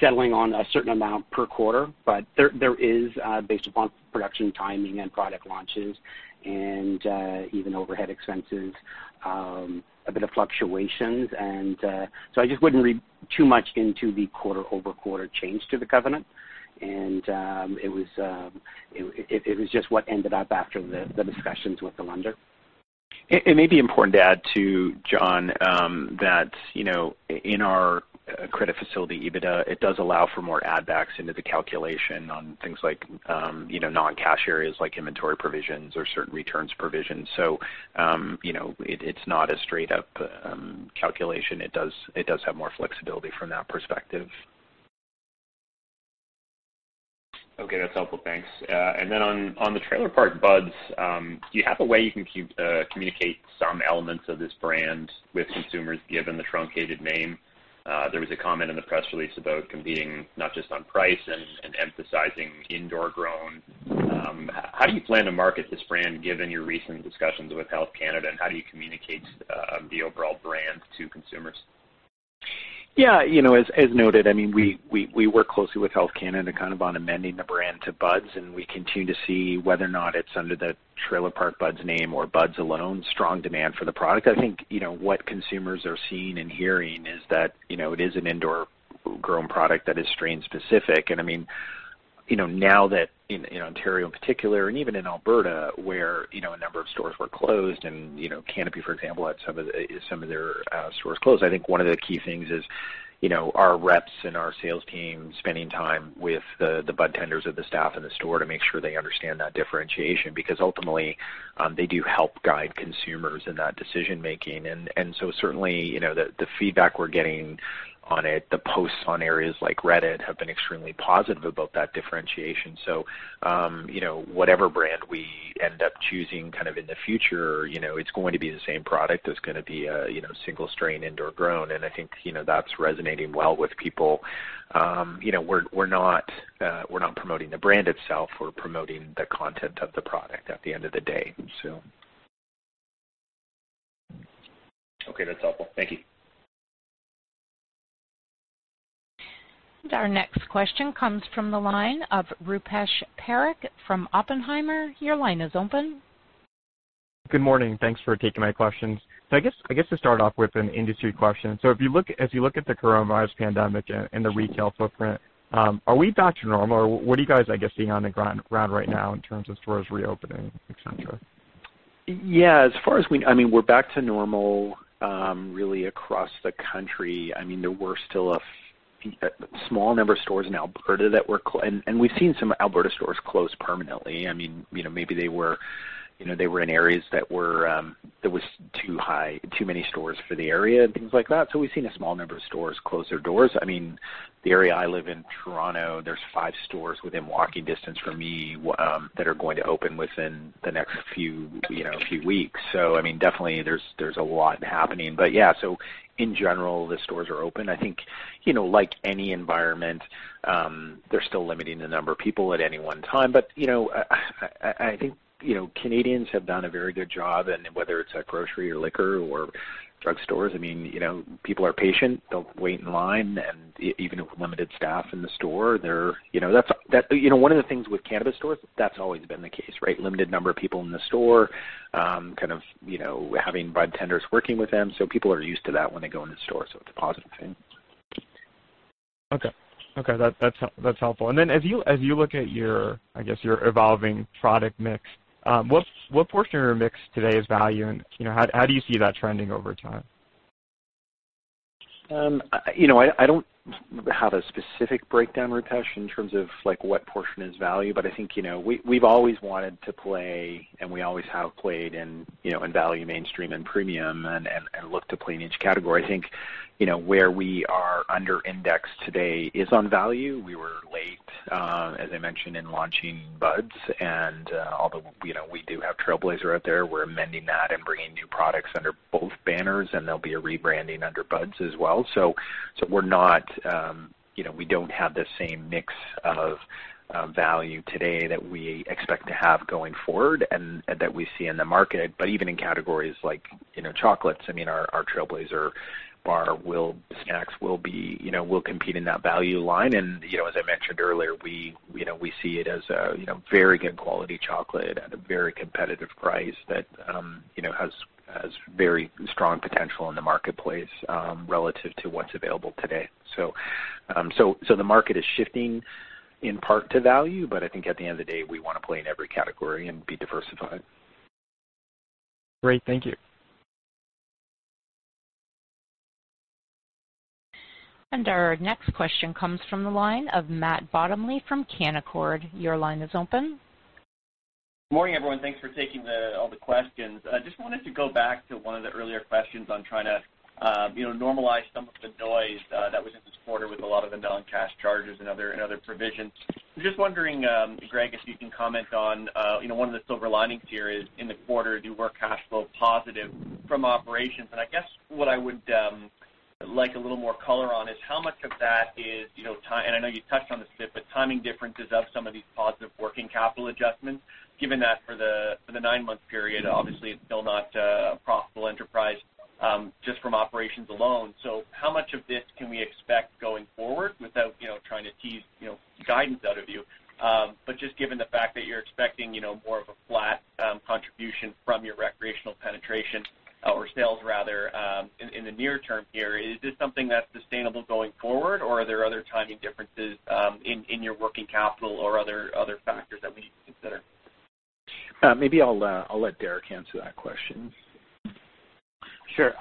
settling on a certain amount per quarter. But there is, based upon production timing and product launches and even overhead expenses, a bit of fluctuations. And so I just wouldn't read too much into the quarter-over-quarter change to the covenant. And it was just what ended up after the discussions with the lender. ... It may be important to add to, John, that, you know, in our credit facility, EBITDA, it does allow for more add backs into the calculation on things like, you know, non-cash areas, like inventory provisions or certain returns provisions. So, you know, it, it's not a straight up, calculation. It does, it does have more flexibility from that perspective. Okay, that's helpful. Thanks. And then on the Trailer Park Buds, do you have a way you can communicate some elements of this brand with consumers, given the truncated name? There was a comment in the press release about competing, not just on price and emphasizing indoor grown. How do you plan to market this brand, given your recent discussions with Health Canada, and how do you communicate the overall brand to consumers? Yeah, you know, as noted, I mean, we work closely with Health Canada, kind of on amending the brand to Buds, and we continue to see whether or not it's under the Trailer Park Buds name or Buds alone, strong demand for the product. I think, you know, what consumers are seeing and hearing is that, you know, it is an indoor grown product that is strain specific. And I mean, you know, now that in Ontario in particular, and even in Alberta, where, you know, a number of stores were closed and, you know, Canopy, for example, had some of their stores closed. I think one of the key things is, you know, our reps and our sales team spending time with the budtenders of the staff in the store to make sure they understand that differentiation, because ultimately, they do help guide consumers in that decision making. And so certainly, you know, the feedback we're getting on it, the posts on areas like Reddit, have been extremely positive about that differentiation. So, you know, whatever brand we end up choosing kind of in the future, you know, it's going to be the same product. It's gonna be a, you know, single strain, indoor grown, and I think, you know, that's resonating well with people. You know, we're not promoting the brand itself, we're promoting the content of the product at the end of the day, so. Okay, that's helpful. Thank you. Our next question comes from the line of Rupesh Parikh from Oppenheimer. Your line is open. Good morning. Thanks for taking my questions. So I guess to start off with an industry question. As you look at the coronavirus pandemic and the retail footprint, are we back to normal, or what are you guys, I guess, seeing on the ground right now in terms of stores reopening, et cetera? Yeah, as far as we, I mean, we're back to normal, really across the country. I mean, there were still a small number of stores in Alberta that were closed and, and we've seen some Alberta stores close permanently. I mean, you know, maybe they were, you know, they were in areas that were, there was too many stores for the area and things like that. So we've seen a small number of stores close their doors. I mean, the area I live in, Toronto, there's five stores within walking distance from me that are going to open within the next few, you know, weeks. So I mean, definitely there's a lot happening. But yeah, so in general, the stores are open. I think, you know, like any environment, they're still limiting the number of people at any one time. But, you know, I think, you know, Canadians have done a very good job, and whether it's at grocery or liquor or drugstores, I mean, you know, people are patient. They'll wait in line, and even with limited staff in the store, they're... You know, one of the things with cannabis stores, that's always been the case, right? Limited number of people in the store, kind of, you know, having budtenders working with them. So people are used to that when they go into the store, so it's a positive thing. Okay, that's helpful. And then as you look at your, I guess, your evolving product mix, what portion of your mix today is value? And, you know, how do you see that trending over time? You know, I don't have a specific breakdown, Rupesh, in terms of like, what portion is value, but I think, you know, we've always wanted to play, and we always have played in, you know, in value, mainstream, and premium, and look to play in each category. I think, you know, where we are under-indexed today is on value. We were late, as I mentioned, in launching Buds, and although, you know, we do have Trailblazer out there, we're amending that and bringing new products under both banners, and there'll be a rebranding under Buds as well. So we're not, you know, we don't have the same mix of value today that we expect to have going forward and that we see in the market. But even in categories like, you know, chocolates, I mean, our Trailblazer bar will. Snacks will be, you know, will compete in that value line. And, you know, as I mentioned earlier, we, you know, we see it as a, you know, very good quality chocolate at a very competitive price that, you know, has very strong potential in the marketplace, relative to what's available today. So, the market is shifting in part to value, but I think at the end of the day, we want to play in every category and be diversified. Great. Thank you. And our next question comes from the line of Matt Bottomley from Canaccord. Your line is open. Good morning, everyone. Thanks for taking all the questions. I just wanted to go back to one of the earlier questions on trying to, you know, normalize some of the noise that was in this quarter with a lot of the non-cash charges and other provisions. I'm just wondering, Greg, if you can comment on, you know, one of the silver linings here is in the quarter, you were cash flow positive from operations. And I guess what I would like a little more color on is how much of that is, you know, and I know you touched on this bit, but timing differences of some of these positive working capital adjustments, given that for the nine-month period, obviously, it's still not a profitable enterprise just from operations alone. So how much of this can we expect going forward without, you know, trying to tease, you know, guidance out of you? But just given the fact that you're expecting, you know, more of a flat contribution from your recreational penetration or sales rather, in the near term here, is this something that's sustainable going forward, or are there other timing differences, in your working capital or other factors that we need to consider? Maybe I'll let Derrick answer that question.... Sure.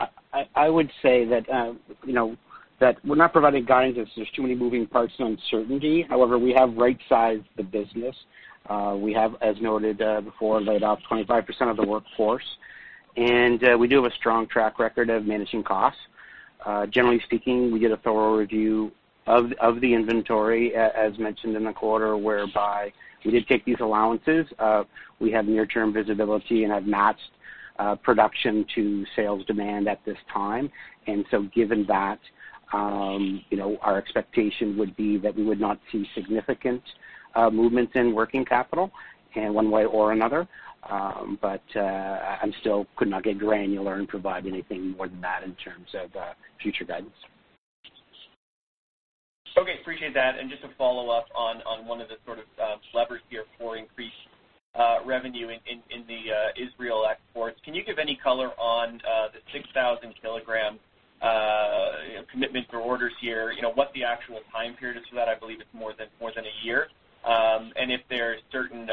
I would say that, you know, that we're not providing guidance as there's too many moving parts and uncertainty. However, we have right-sized the business. We have, as noted, before, laid off 25% of the workforce, and we do have a strong track record of managing costs. Generally speaking, we did a thorough review of the inventory, as mentioned in the quarter, whereby we did take these allowances. We have near-term visibility and have matched production to sales demand at this time. Given that, you know, our expectation would be that we would not see significant movements in working capital in one way or another. But I still could not get granular and provide anything more than that in terms of future guidance. Okay, appreciate that. And just to follow up on one of the sort of levers here for increased revenue in the Israel exports, can you give any color on the 6,000 kilogram you know commitment for orders here? You know, what the actual time period is for that? I believe it's more than a year. And if there are certain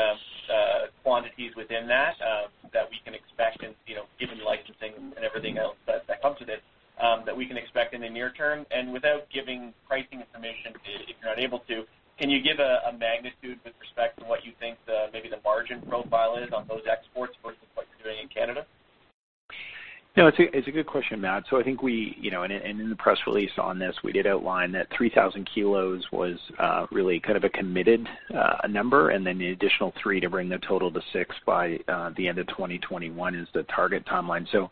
quantities within that that we can expect and you know given licensing and everything else that that comes with this that we can expect in the near term. And without giving pricing information, if you're not able to, can you give a magnitude with respect to what you think the maybe the margin profile is on those exports versus what you're doing in Canada? No, it's a, it's a good question, Matt. So I think we, you know, and, and in the press release on this, we did outline that 3,000 kilos was really kind of a committed number, and then the additional three to bring the total to six by the end of twenty twenty-one is the target timeline. So,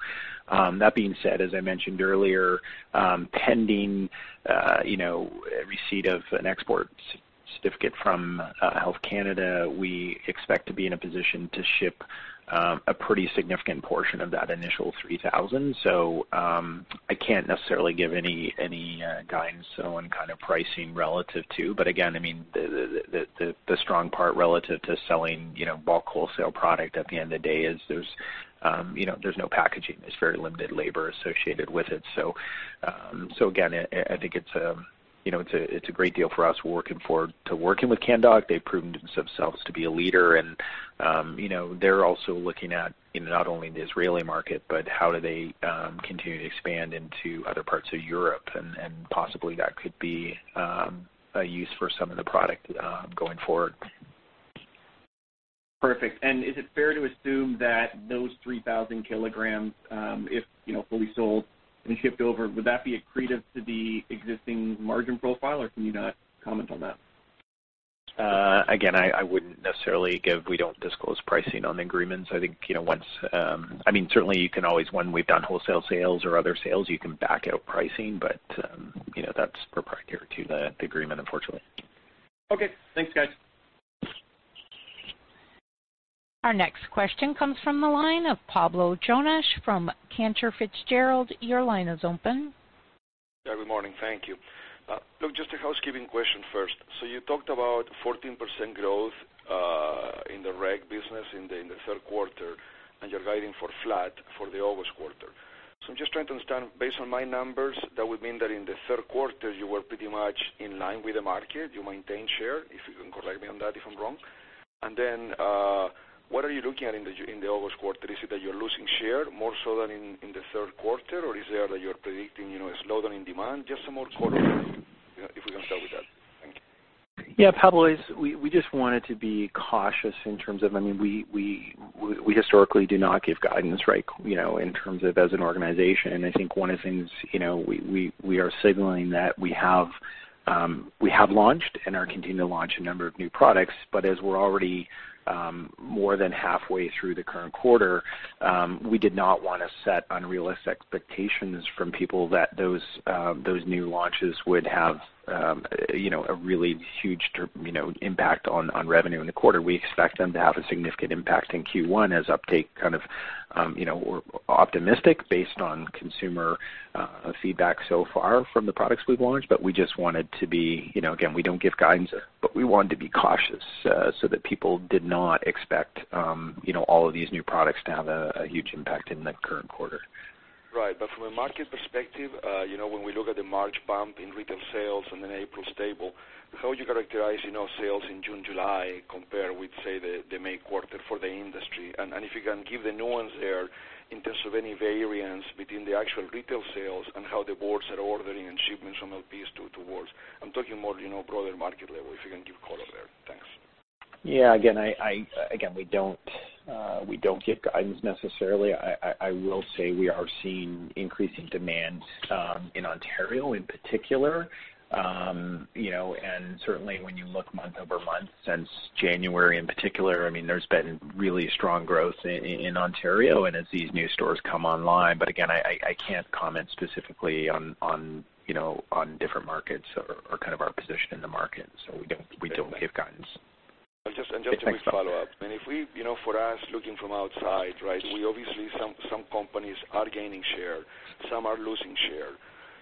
that being said, as I mentioned earlier, pending, you know, receipt of an export certificate from Health Canada, we expect to be in a position to ship a pretty significant portion of that initial 3,000. So, I can't necessarily give any, any, guidance on kind of pricing relative to. But again, I mean, the strong part relative to selling, you know, bulk wholesale product at the end of the day is there's, you know, there's no packaging. There's very limited labor associated with it. So, again, I think it's, you know, it's a great deal for us. We're looking forward to working with Canndoc. They've proven themselves to be a leader and, you know, they're also looking at, in not only the Israeli market, but how do they continue to expand into other parts of Europe, and possibly that could be a use for some of the product, going forward. Perfect. And is it fair to assume that those 3,000 kilograms, if, you know, fully sold and shipped over, would that be accretive to the existing margin profile, or can you not comment on that? Again, I wouldn't necessarily give... We don't disclose pricing on agreements. I think, you know, once, I mean, certainly you can always, when we've done wholesale sales or other sales, you can back out pricing, but, you know, that's proprietary to the agreement, unfortunately. Okay. Thanks, guys. Our next question comes from the line of Pablo Zuanic from Cantor Fitzgerald. Your line is open. Yeah, good morning. Thank you. Look, just a housekeeping question first. So you talked about 14% growth in the rec business in the third quarter, and you're guiding for flat for the August quarter. So I'm just trying to understand, based on my numbers, that would mean that in the third quarter, you were pretty much in line with the market. You maintained share, if you can correct me on that, if I'm wrong. And then, what are you looking at in the August quarter? Is it that you're losing share more so than in the third quarter, or is there that you're predicting, you know, a slowdown in demand? Just some more color, you know, if we can start with that. Thank you. Yeah, Paolo, as we, we just wanted to be cautious in terms of... I mean, we historically do not give guidance, right, you know, in terms of as an organization. And I think one of the things, you know, we are signaling that we have launched and are continuing to launch a number of new products, but as we're already more than halfway through the current quarter, we did not want to set unrealistic expectations from people that those new launches would have, you know, a really huge, you know, impact on revenue in the quarter. We expect them to have a significant impact in Q1 as uptake kind of, you know, we're optimistic based on consumer feedback so far from the products we've launched, but we just wanted to be, you know, again, we don't give guidance, but we wanted to be cautious, so that people did not expect, you know, all of these new products to have a huge impact in the current quarter. Right. But from a market perspective, you know, when we look at the March bump in retail sales and then April stable, how would you characterize, you know, sales in June, July, compared with, say, the May quarter for the industry? And if you can give the nuance there in terms of any variance between the actual retail sales and how the boards are ordering and shipments from LPs to, towards. I'm talking more, you know, broader market level, if you can give color there. Thanks. Yeah, again, we don't give guidance necessarily. I will say we are seeing increasing demand in Ontario in particular. You know, and certainly when you look month over month, since January in particular, I mean, there's been really strong growth in Ontario and as these new stores come online. But again, I can't comment specifically on, you know, on different markets or kind of our position in the market. So we don't give guidance. And just a quick follow-up. Thanks, Pablo. And if we, you know, for us, looking from outside, right, we obviously some companies are gaining share, some are losing share.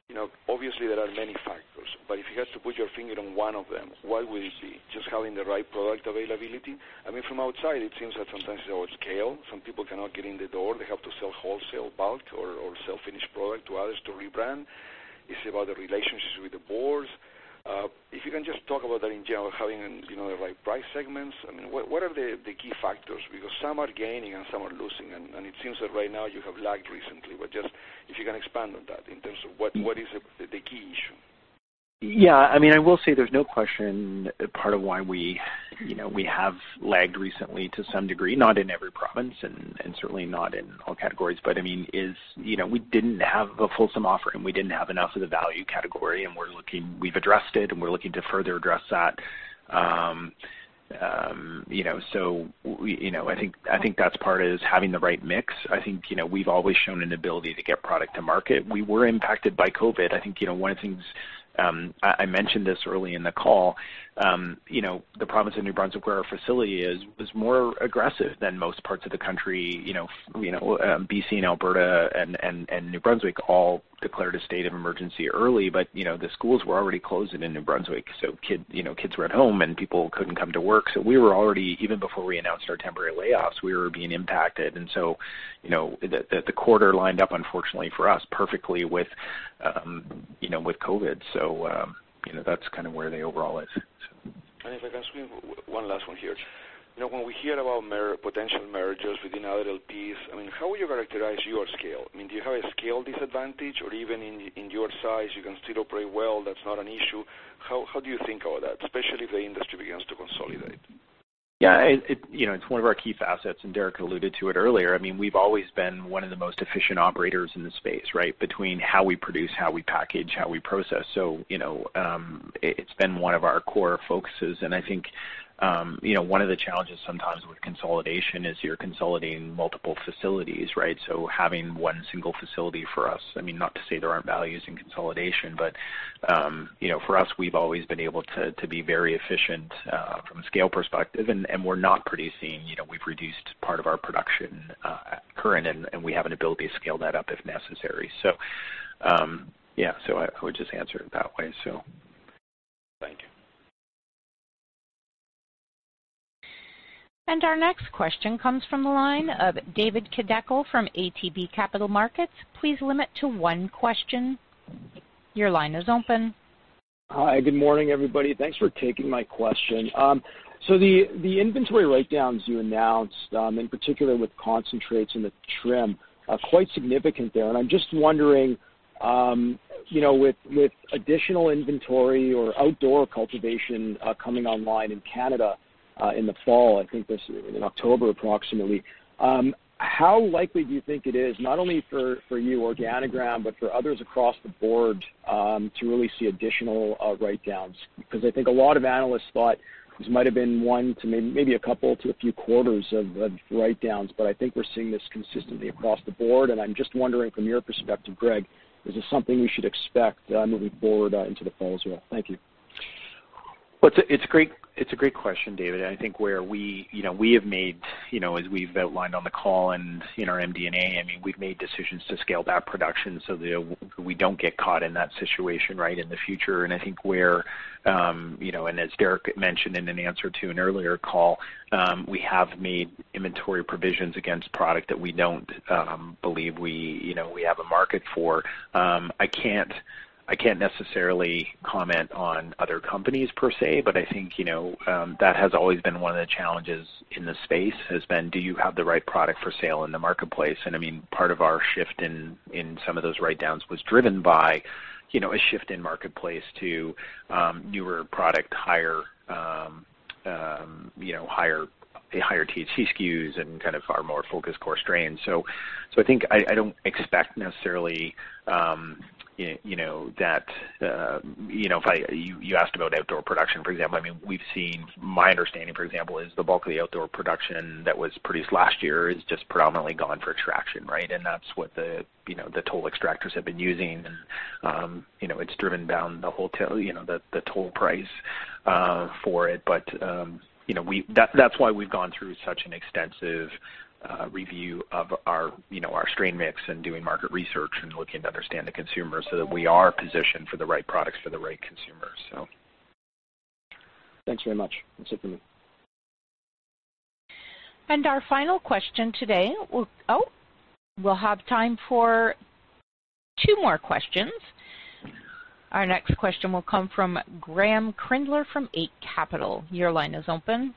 You know, obviously, there are many factors, but if you had to put your finger on one of them, what would it be? Just having the right product availability? I mean, from outside, it seems that sometimes it's about scale. Some people cannot get in the door. They have to sell wholesale, bulk, or sell finished product to others to rebrand. Is it about the relationships with the boards? If you can just talk about that in general, having, you know, the right price segments. I mean, what are the key factors? Because some are gaining and some are losing, and it seems that right now you have lagged recently. But just if you can expand on that in terms of what is the key issue? Yeah, I mean, I will say there's no question that part of why we, you know, we have lagged recently to some degree, not in every province and certainly not in all categories, but I mean, you know, we didn't have a fulsome offering. We didn't have enough of the value category, and we're looking. We've addressed it, and we're looking to further address that. You know, I think that's part is having the right mix. I think, you know, we've always shown an ability to get product to market. We were impacted by COVID. I think, you know, one of the things, I mentioned this early in the call, you know, the province of New Brunswick, where our facility is, was more aggressive than most parts of the country, you know, BC and Alberta and New Brunswick all declared a state of emergency early, but you know, the schools were already closing in New Brunswick, so kids were at home, and people couldn't come to work, so we were already, even before we announced our temporary layoffs, we were being impacted, and so, you know, the quarter lined up, unfortunately for us, perfectly with, you know, with COVID, so you know, that's kind of where the overall is, so. If I can ask you one last one here. You know, when we hear about potential mergers within LPs, I mean, how would you characterize your scale? I mean, do you have a scale disadvantage, or even in your size, you can still operate well, that's not an issue? How do you think about that, especially if the industry begins to consolidate? Yeah, you know, it's one of our key facets, and Derrick alluded to it earlier. I mean, we've always been one of the most efficient operators in the space, right? Between how we produce, how we package, how we process. So, you know, it's been one of our core focuses. And I think, you know, one of the challenges sometimes with consolidation is you're consolidating multiple facilities, right? So having one single facility for us, I mean, not to say there aren't values in consolidation, but, you know, for us, we've always been able to be very efficient from a scale perspective. And we're not producing, you know, we've reduced part of our production, currently, and we have an ability to scale that up if necessary. So, yeah, so I would just answer it that way, so. Thank you. Our next question comes from the line of David Kideckel from ATB Capital Markets. Please limit to one question. Your line is open. Hi, good morning, everybody. Thanks for taking my question. So the inventory write-downs you announced, in particular with concentrates and the trim, are quite significant there. And I'm just wondering, you know, with additional inventory or outdoor cultivation, coming online in Canada, in the fall, I think this in October, approximately, how likely do you think it is, not only for you, Organigram, but for others across the board, to really see additional write-downs? Because I think a lot of analysts thought this might have been one to maybe a couple to a few quarters of write-downs, but I think we're seeing this consistently across the board. And I'm just wondering from your perspective, Greg, is this something we should expect, moving forward, into the fall as well? Thank you. It's a great question, David. I think where we, you know, we have made, you know, as we've outlined on the call and in our MD&A, I mean, we've made decisions to scale back production so that we don't get caught in that situation right in the future. And I think where, you know, and as Derrick mentioned in an answer to an earlier call, we have made inventory provisions against product that we don't believe we, you know, we have a market for. I can't, I can't necessarily comment on other companies per se, but I think, you know, that has always been one of the challenges in this space, has been: Do you have the right product for sale in the marketplace? And I mean, part of our shift in some of those write-downs was driven by, you know, a shift in marketplace to newer product, higher, you know, higher THC SKUs and kind of our more focused core strain. So I think I don't expect necessarily, you know, that, you know, if I... You asked about outdoor production, for example. I mean, we've seen, my understanding, for example, is the bulk of the outdoor production that was produced last year is just predominantly gone for extraction, right? And that's what the, you know, the toll extractors have been using, and, you know, it's driven down the wholesale, you know, the toll price for it. But, you know, that's why we've gone through such an extensive review of our, you know, our strain mix and doing market research and looking to understand the consumer so that we are positioned for the right products for the right consumers, so. Thanks very much. That's it for me. And our final question today. Oh, we'll have time for two more questions. Our next question will come from Graeme Kreindler from Eight Capital. Your line is open.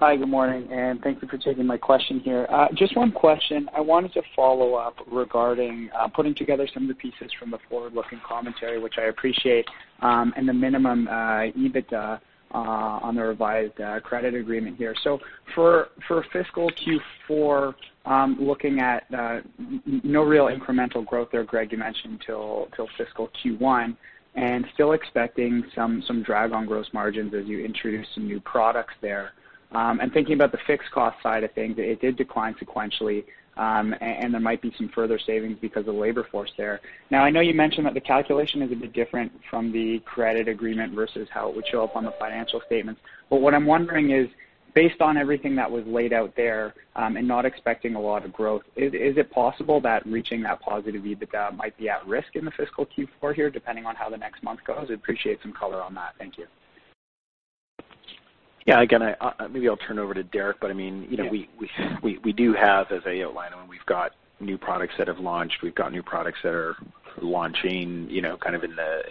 Hi, good morning, and thank you for taking my question here. Just one question. I wanted to follow up regarding putting together some of the pieces from the forward-looking commentary, which I appreciate, and the minimum EBITDA on the revised credit agreement here. So for fiscal Q4, looking at no real incremental growth there, Greg, you mentioned till fiscal Q1, and still expecting some drag on gross margins as you introduce some new products there, and thinking about the fixed cost side of things, it did decline sequentially, and there might be some further savings because of the labor force there. Now, I know you mentioned that the calculation is a bit different from the credit agreement versus how it would show up on the financial statements. But what I'm wondering is, based on everything that was laid out there, and not expecting a lot of growth, is it possible that reaching that positive EBITDA might be at risk in the fiscal Q4 here, depending on how the next month goes? I'd appreciate some color on that. Thank you. ... Yeah, again, I maybe I'll turn it over to Derrick, but I mean, you know, we do have, as I outlined, we've got new products that have launched. We've got new products that are launching, you know, kind of in the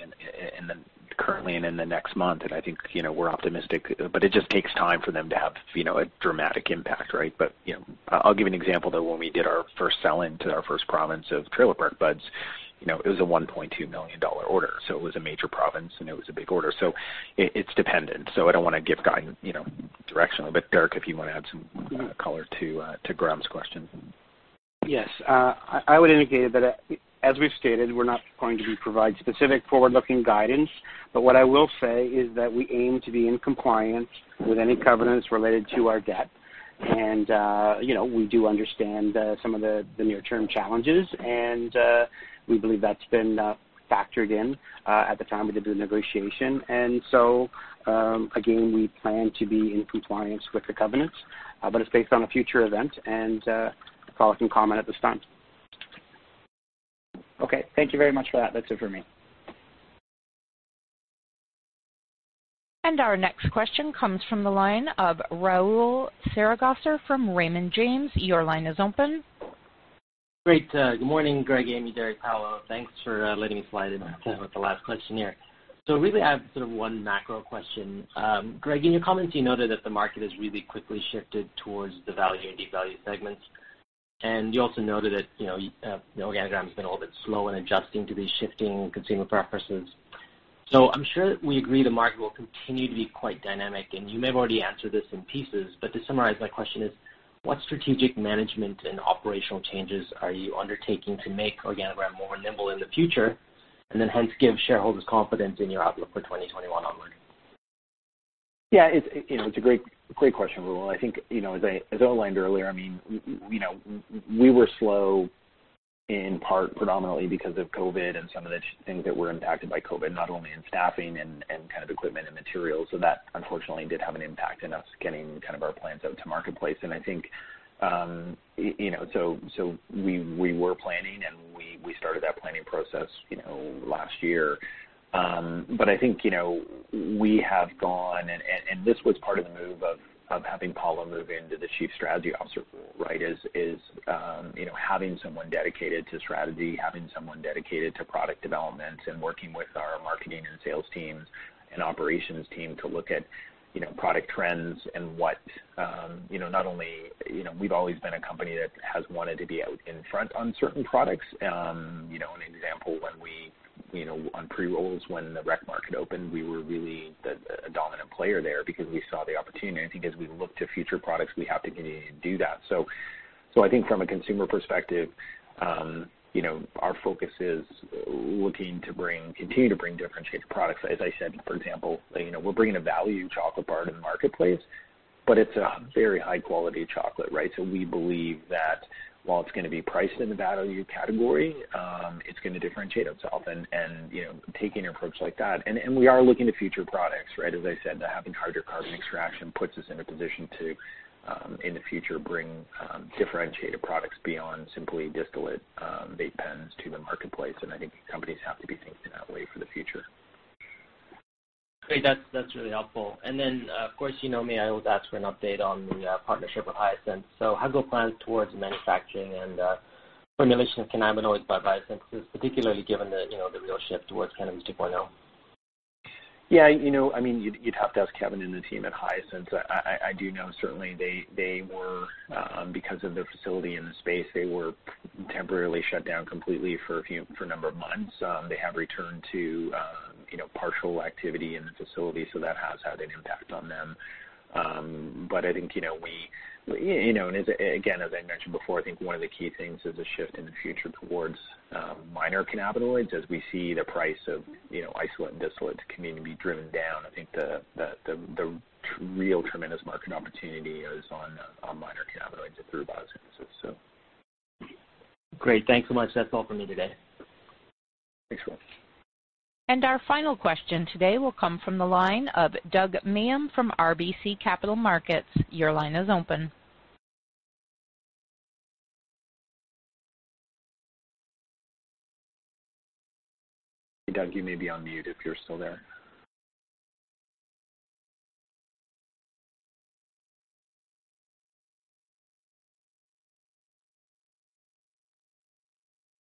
currently and in the next month, and I think, you know, we're optimistic. But it just takes time for them to have, you know, a dramatic impact, right? But, you know, I, I'll give you an example, though. When we did our first sell-in to our first province of Trailer Park Buds, you know, it was a 1.2 million dollar order, so it was a major province, and it was a big order. So it's dependent, so I don't want to give guidance, you know, directionally. But Derrick, if you want to add some color to Graeme's question. Yes. I would indicate that, as we've stated, we're not going to be provide specific forward-looking guidance, but what I will say is that we aim to be in compliance with any covenants related to our debt. You know, we do understand some of the near-term challenges, and we believe that's been factored in at the time we did the negotiation. So, again, we plan to be in compliance with the covenants, but it's based on a future event, and that's all I can comment at this time. Okay, thank you very much for that. That's it for me. Our next question comes from the line of Rahul Sarugaser from Raymond James. Your line is open. Great. Good morning, Greg, Amy, Derrick, Paolo. Thanks for letting me slide in with the last question here. So really, I have sort of one macro question. Greg, in your comments, you noted that the market has really quickly shifted towards the value and deep value segments, and you also noted that, you know, Organigram has been a little bit slow in adjusting to these shifting consumer preferences. So I'm sure that we agree the market will continue to be quite dynamic, and you may have already answered this in pieces, but to summarize, my question is, what strategic management and operational changes are you undertaking to make Organigram more nimble in the future, and then hence give shareholders confidence in your outlook for 2021 onwards? Yeah, it's, you know, it's a great, great question, Rahul. I think, you know, as I outlined earlier, I mean, you know, we were slow in part, predominantly because of COVID and some of the things that were impacted by COVID, not only in staffing and kind of equipment and materials. So that, unfortunately, did have an impact in us getting kind of our plans out to marketplace. And I think, you know, so we were planning, and we started that planning process, you know, last year. But I think, you know, we have gone, and this was part of the move of having Paolo move into the Chief Strategy Officer role, right? You know, having someone dedicated to strategy, having someone dedicated to product development and working with our marketing and sales teams and operations team to look at, you know, product trends and what, you know, not only... You know, we've always been a company that has wanted to be out in front on certain products. You know, an example, when we, you know, on pre-rolls, when the rec market opened, we were really a dominant player there because we saw the opportunity. I think as we look to future products, we have to continue to do that. So I think from a consumer perspective, you know, our focus is looking to bring, continue to bring differentiated products. As I said, for example, you know, we're bringing a value chocolate bar to the marketplace, but it's a very high-quality chocolate, right? So we believe that while it's going to be priced in the value category, it's going to differentiate itself and, you know, taking an approach like that. We are looking to future products, right? As I said, having hydrocarbon extraction puts us in a position to, in the future, bring differentiated products beyond simply distillate, vape pens to the marketplace, and I think companies have to be thinking that way for the future. Great. That's, that's really helpful. And then, of course, you know me, I always ask for an update on the partnership with Hyasynth. So how go plans towards manufacturing and formulation of Cannabinoids by Hyasynth, particularly given the, you know, the real shift towards Cannabis 2.0? Yeah, you know, I mean, you'd have to ask Kevin and the team at Hyasynth. I do know, certainly, they were, because of their facility and the space, temporarily shut down completely for a number of months. They have returned to, you know, partial activity in the facility, so that has had an impact on them. But I think, you know, you know, and as again, as I mentioned before, I think one of the key things is a shift in the future towards minor cannabinoids. As we see the price of, you know, isolate and distillate continue to be driven down, I think the real tremendous market opportunity is on minor cannabinoids and through biosynthesis, so. Great. Thanks so much. That's all for me today. Thanks, Rahul. Our final question today will come from the line of Douglas Miehm from RBC Capital Markets. Your line is open. Hey, Doug, you may be on mute, if you're still there.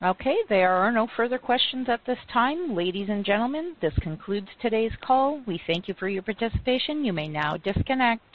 Okay, there are no further questions at this time. Ladies and gentlemen, this concludes today's call. We thank you for your participation. You may now disconnect.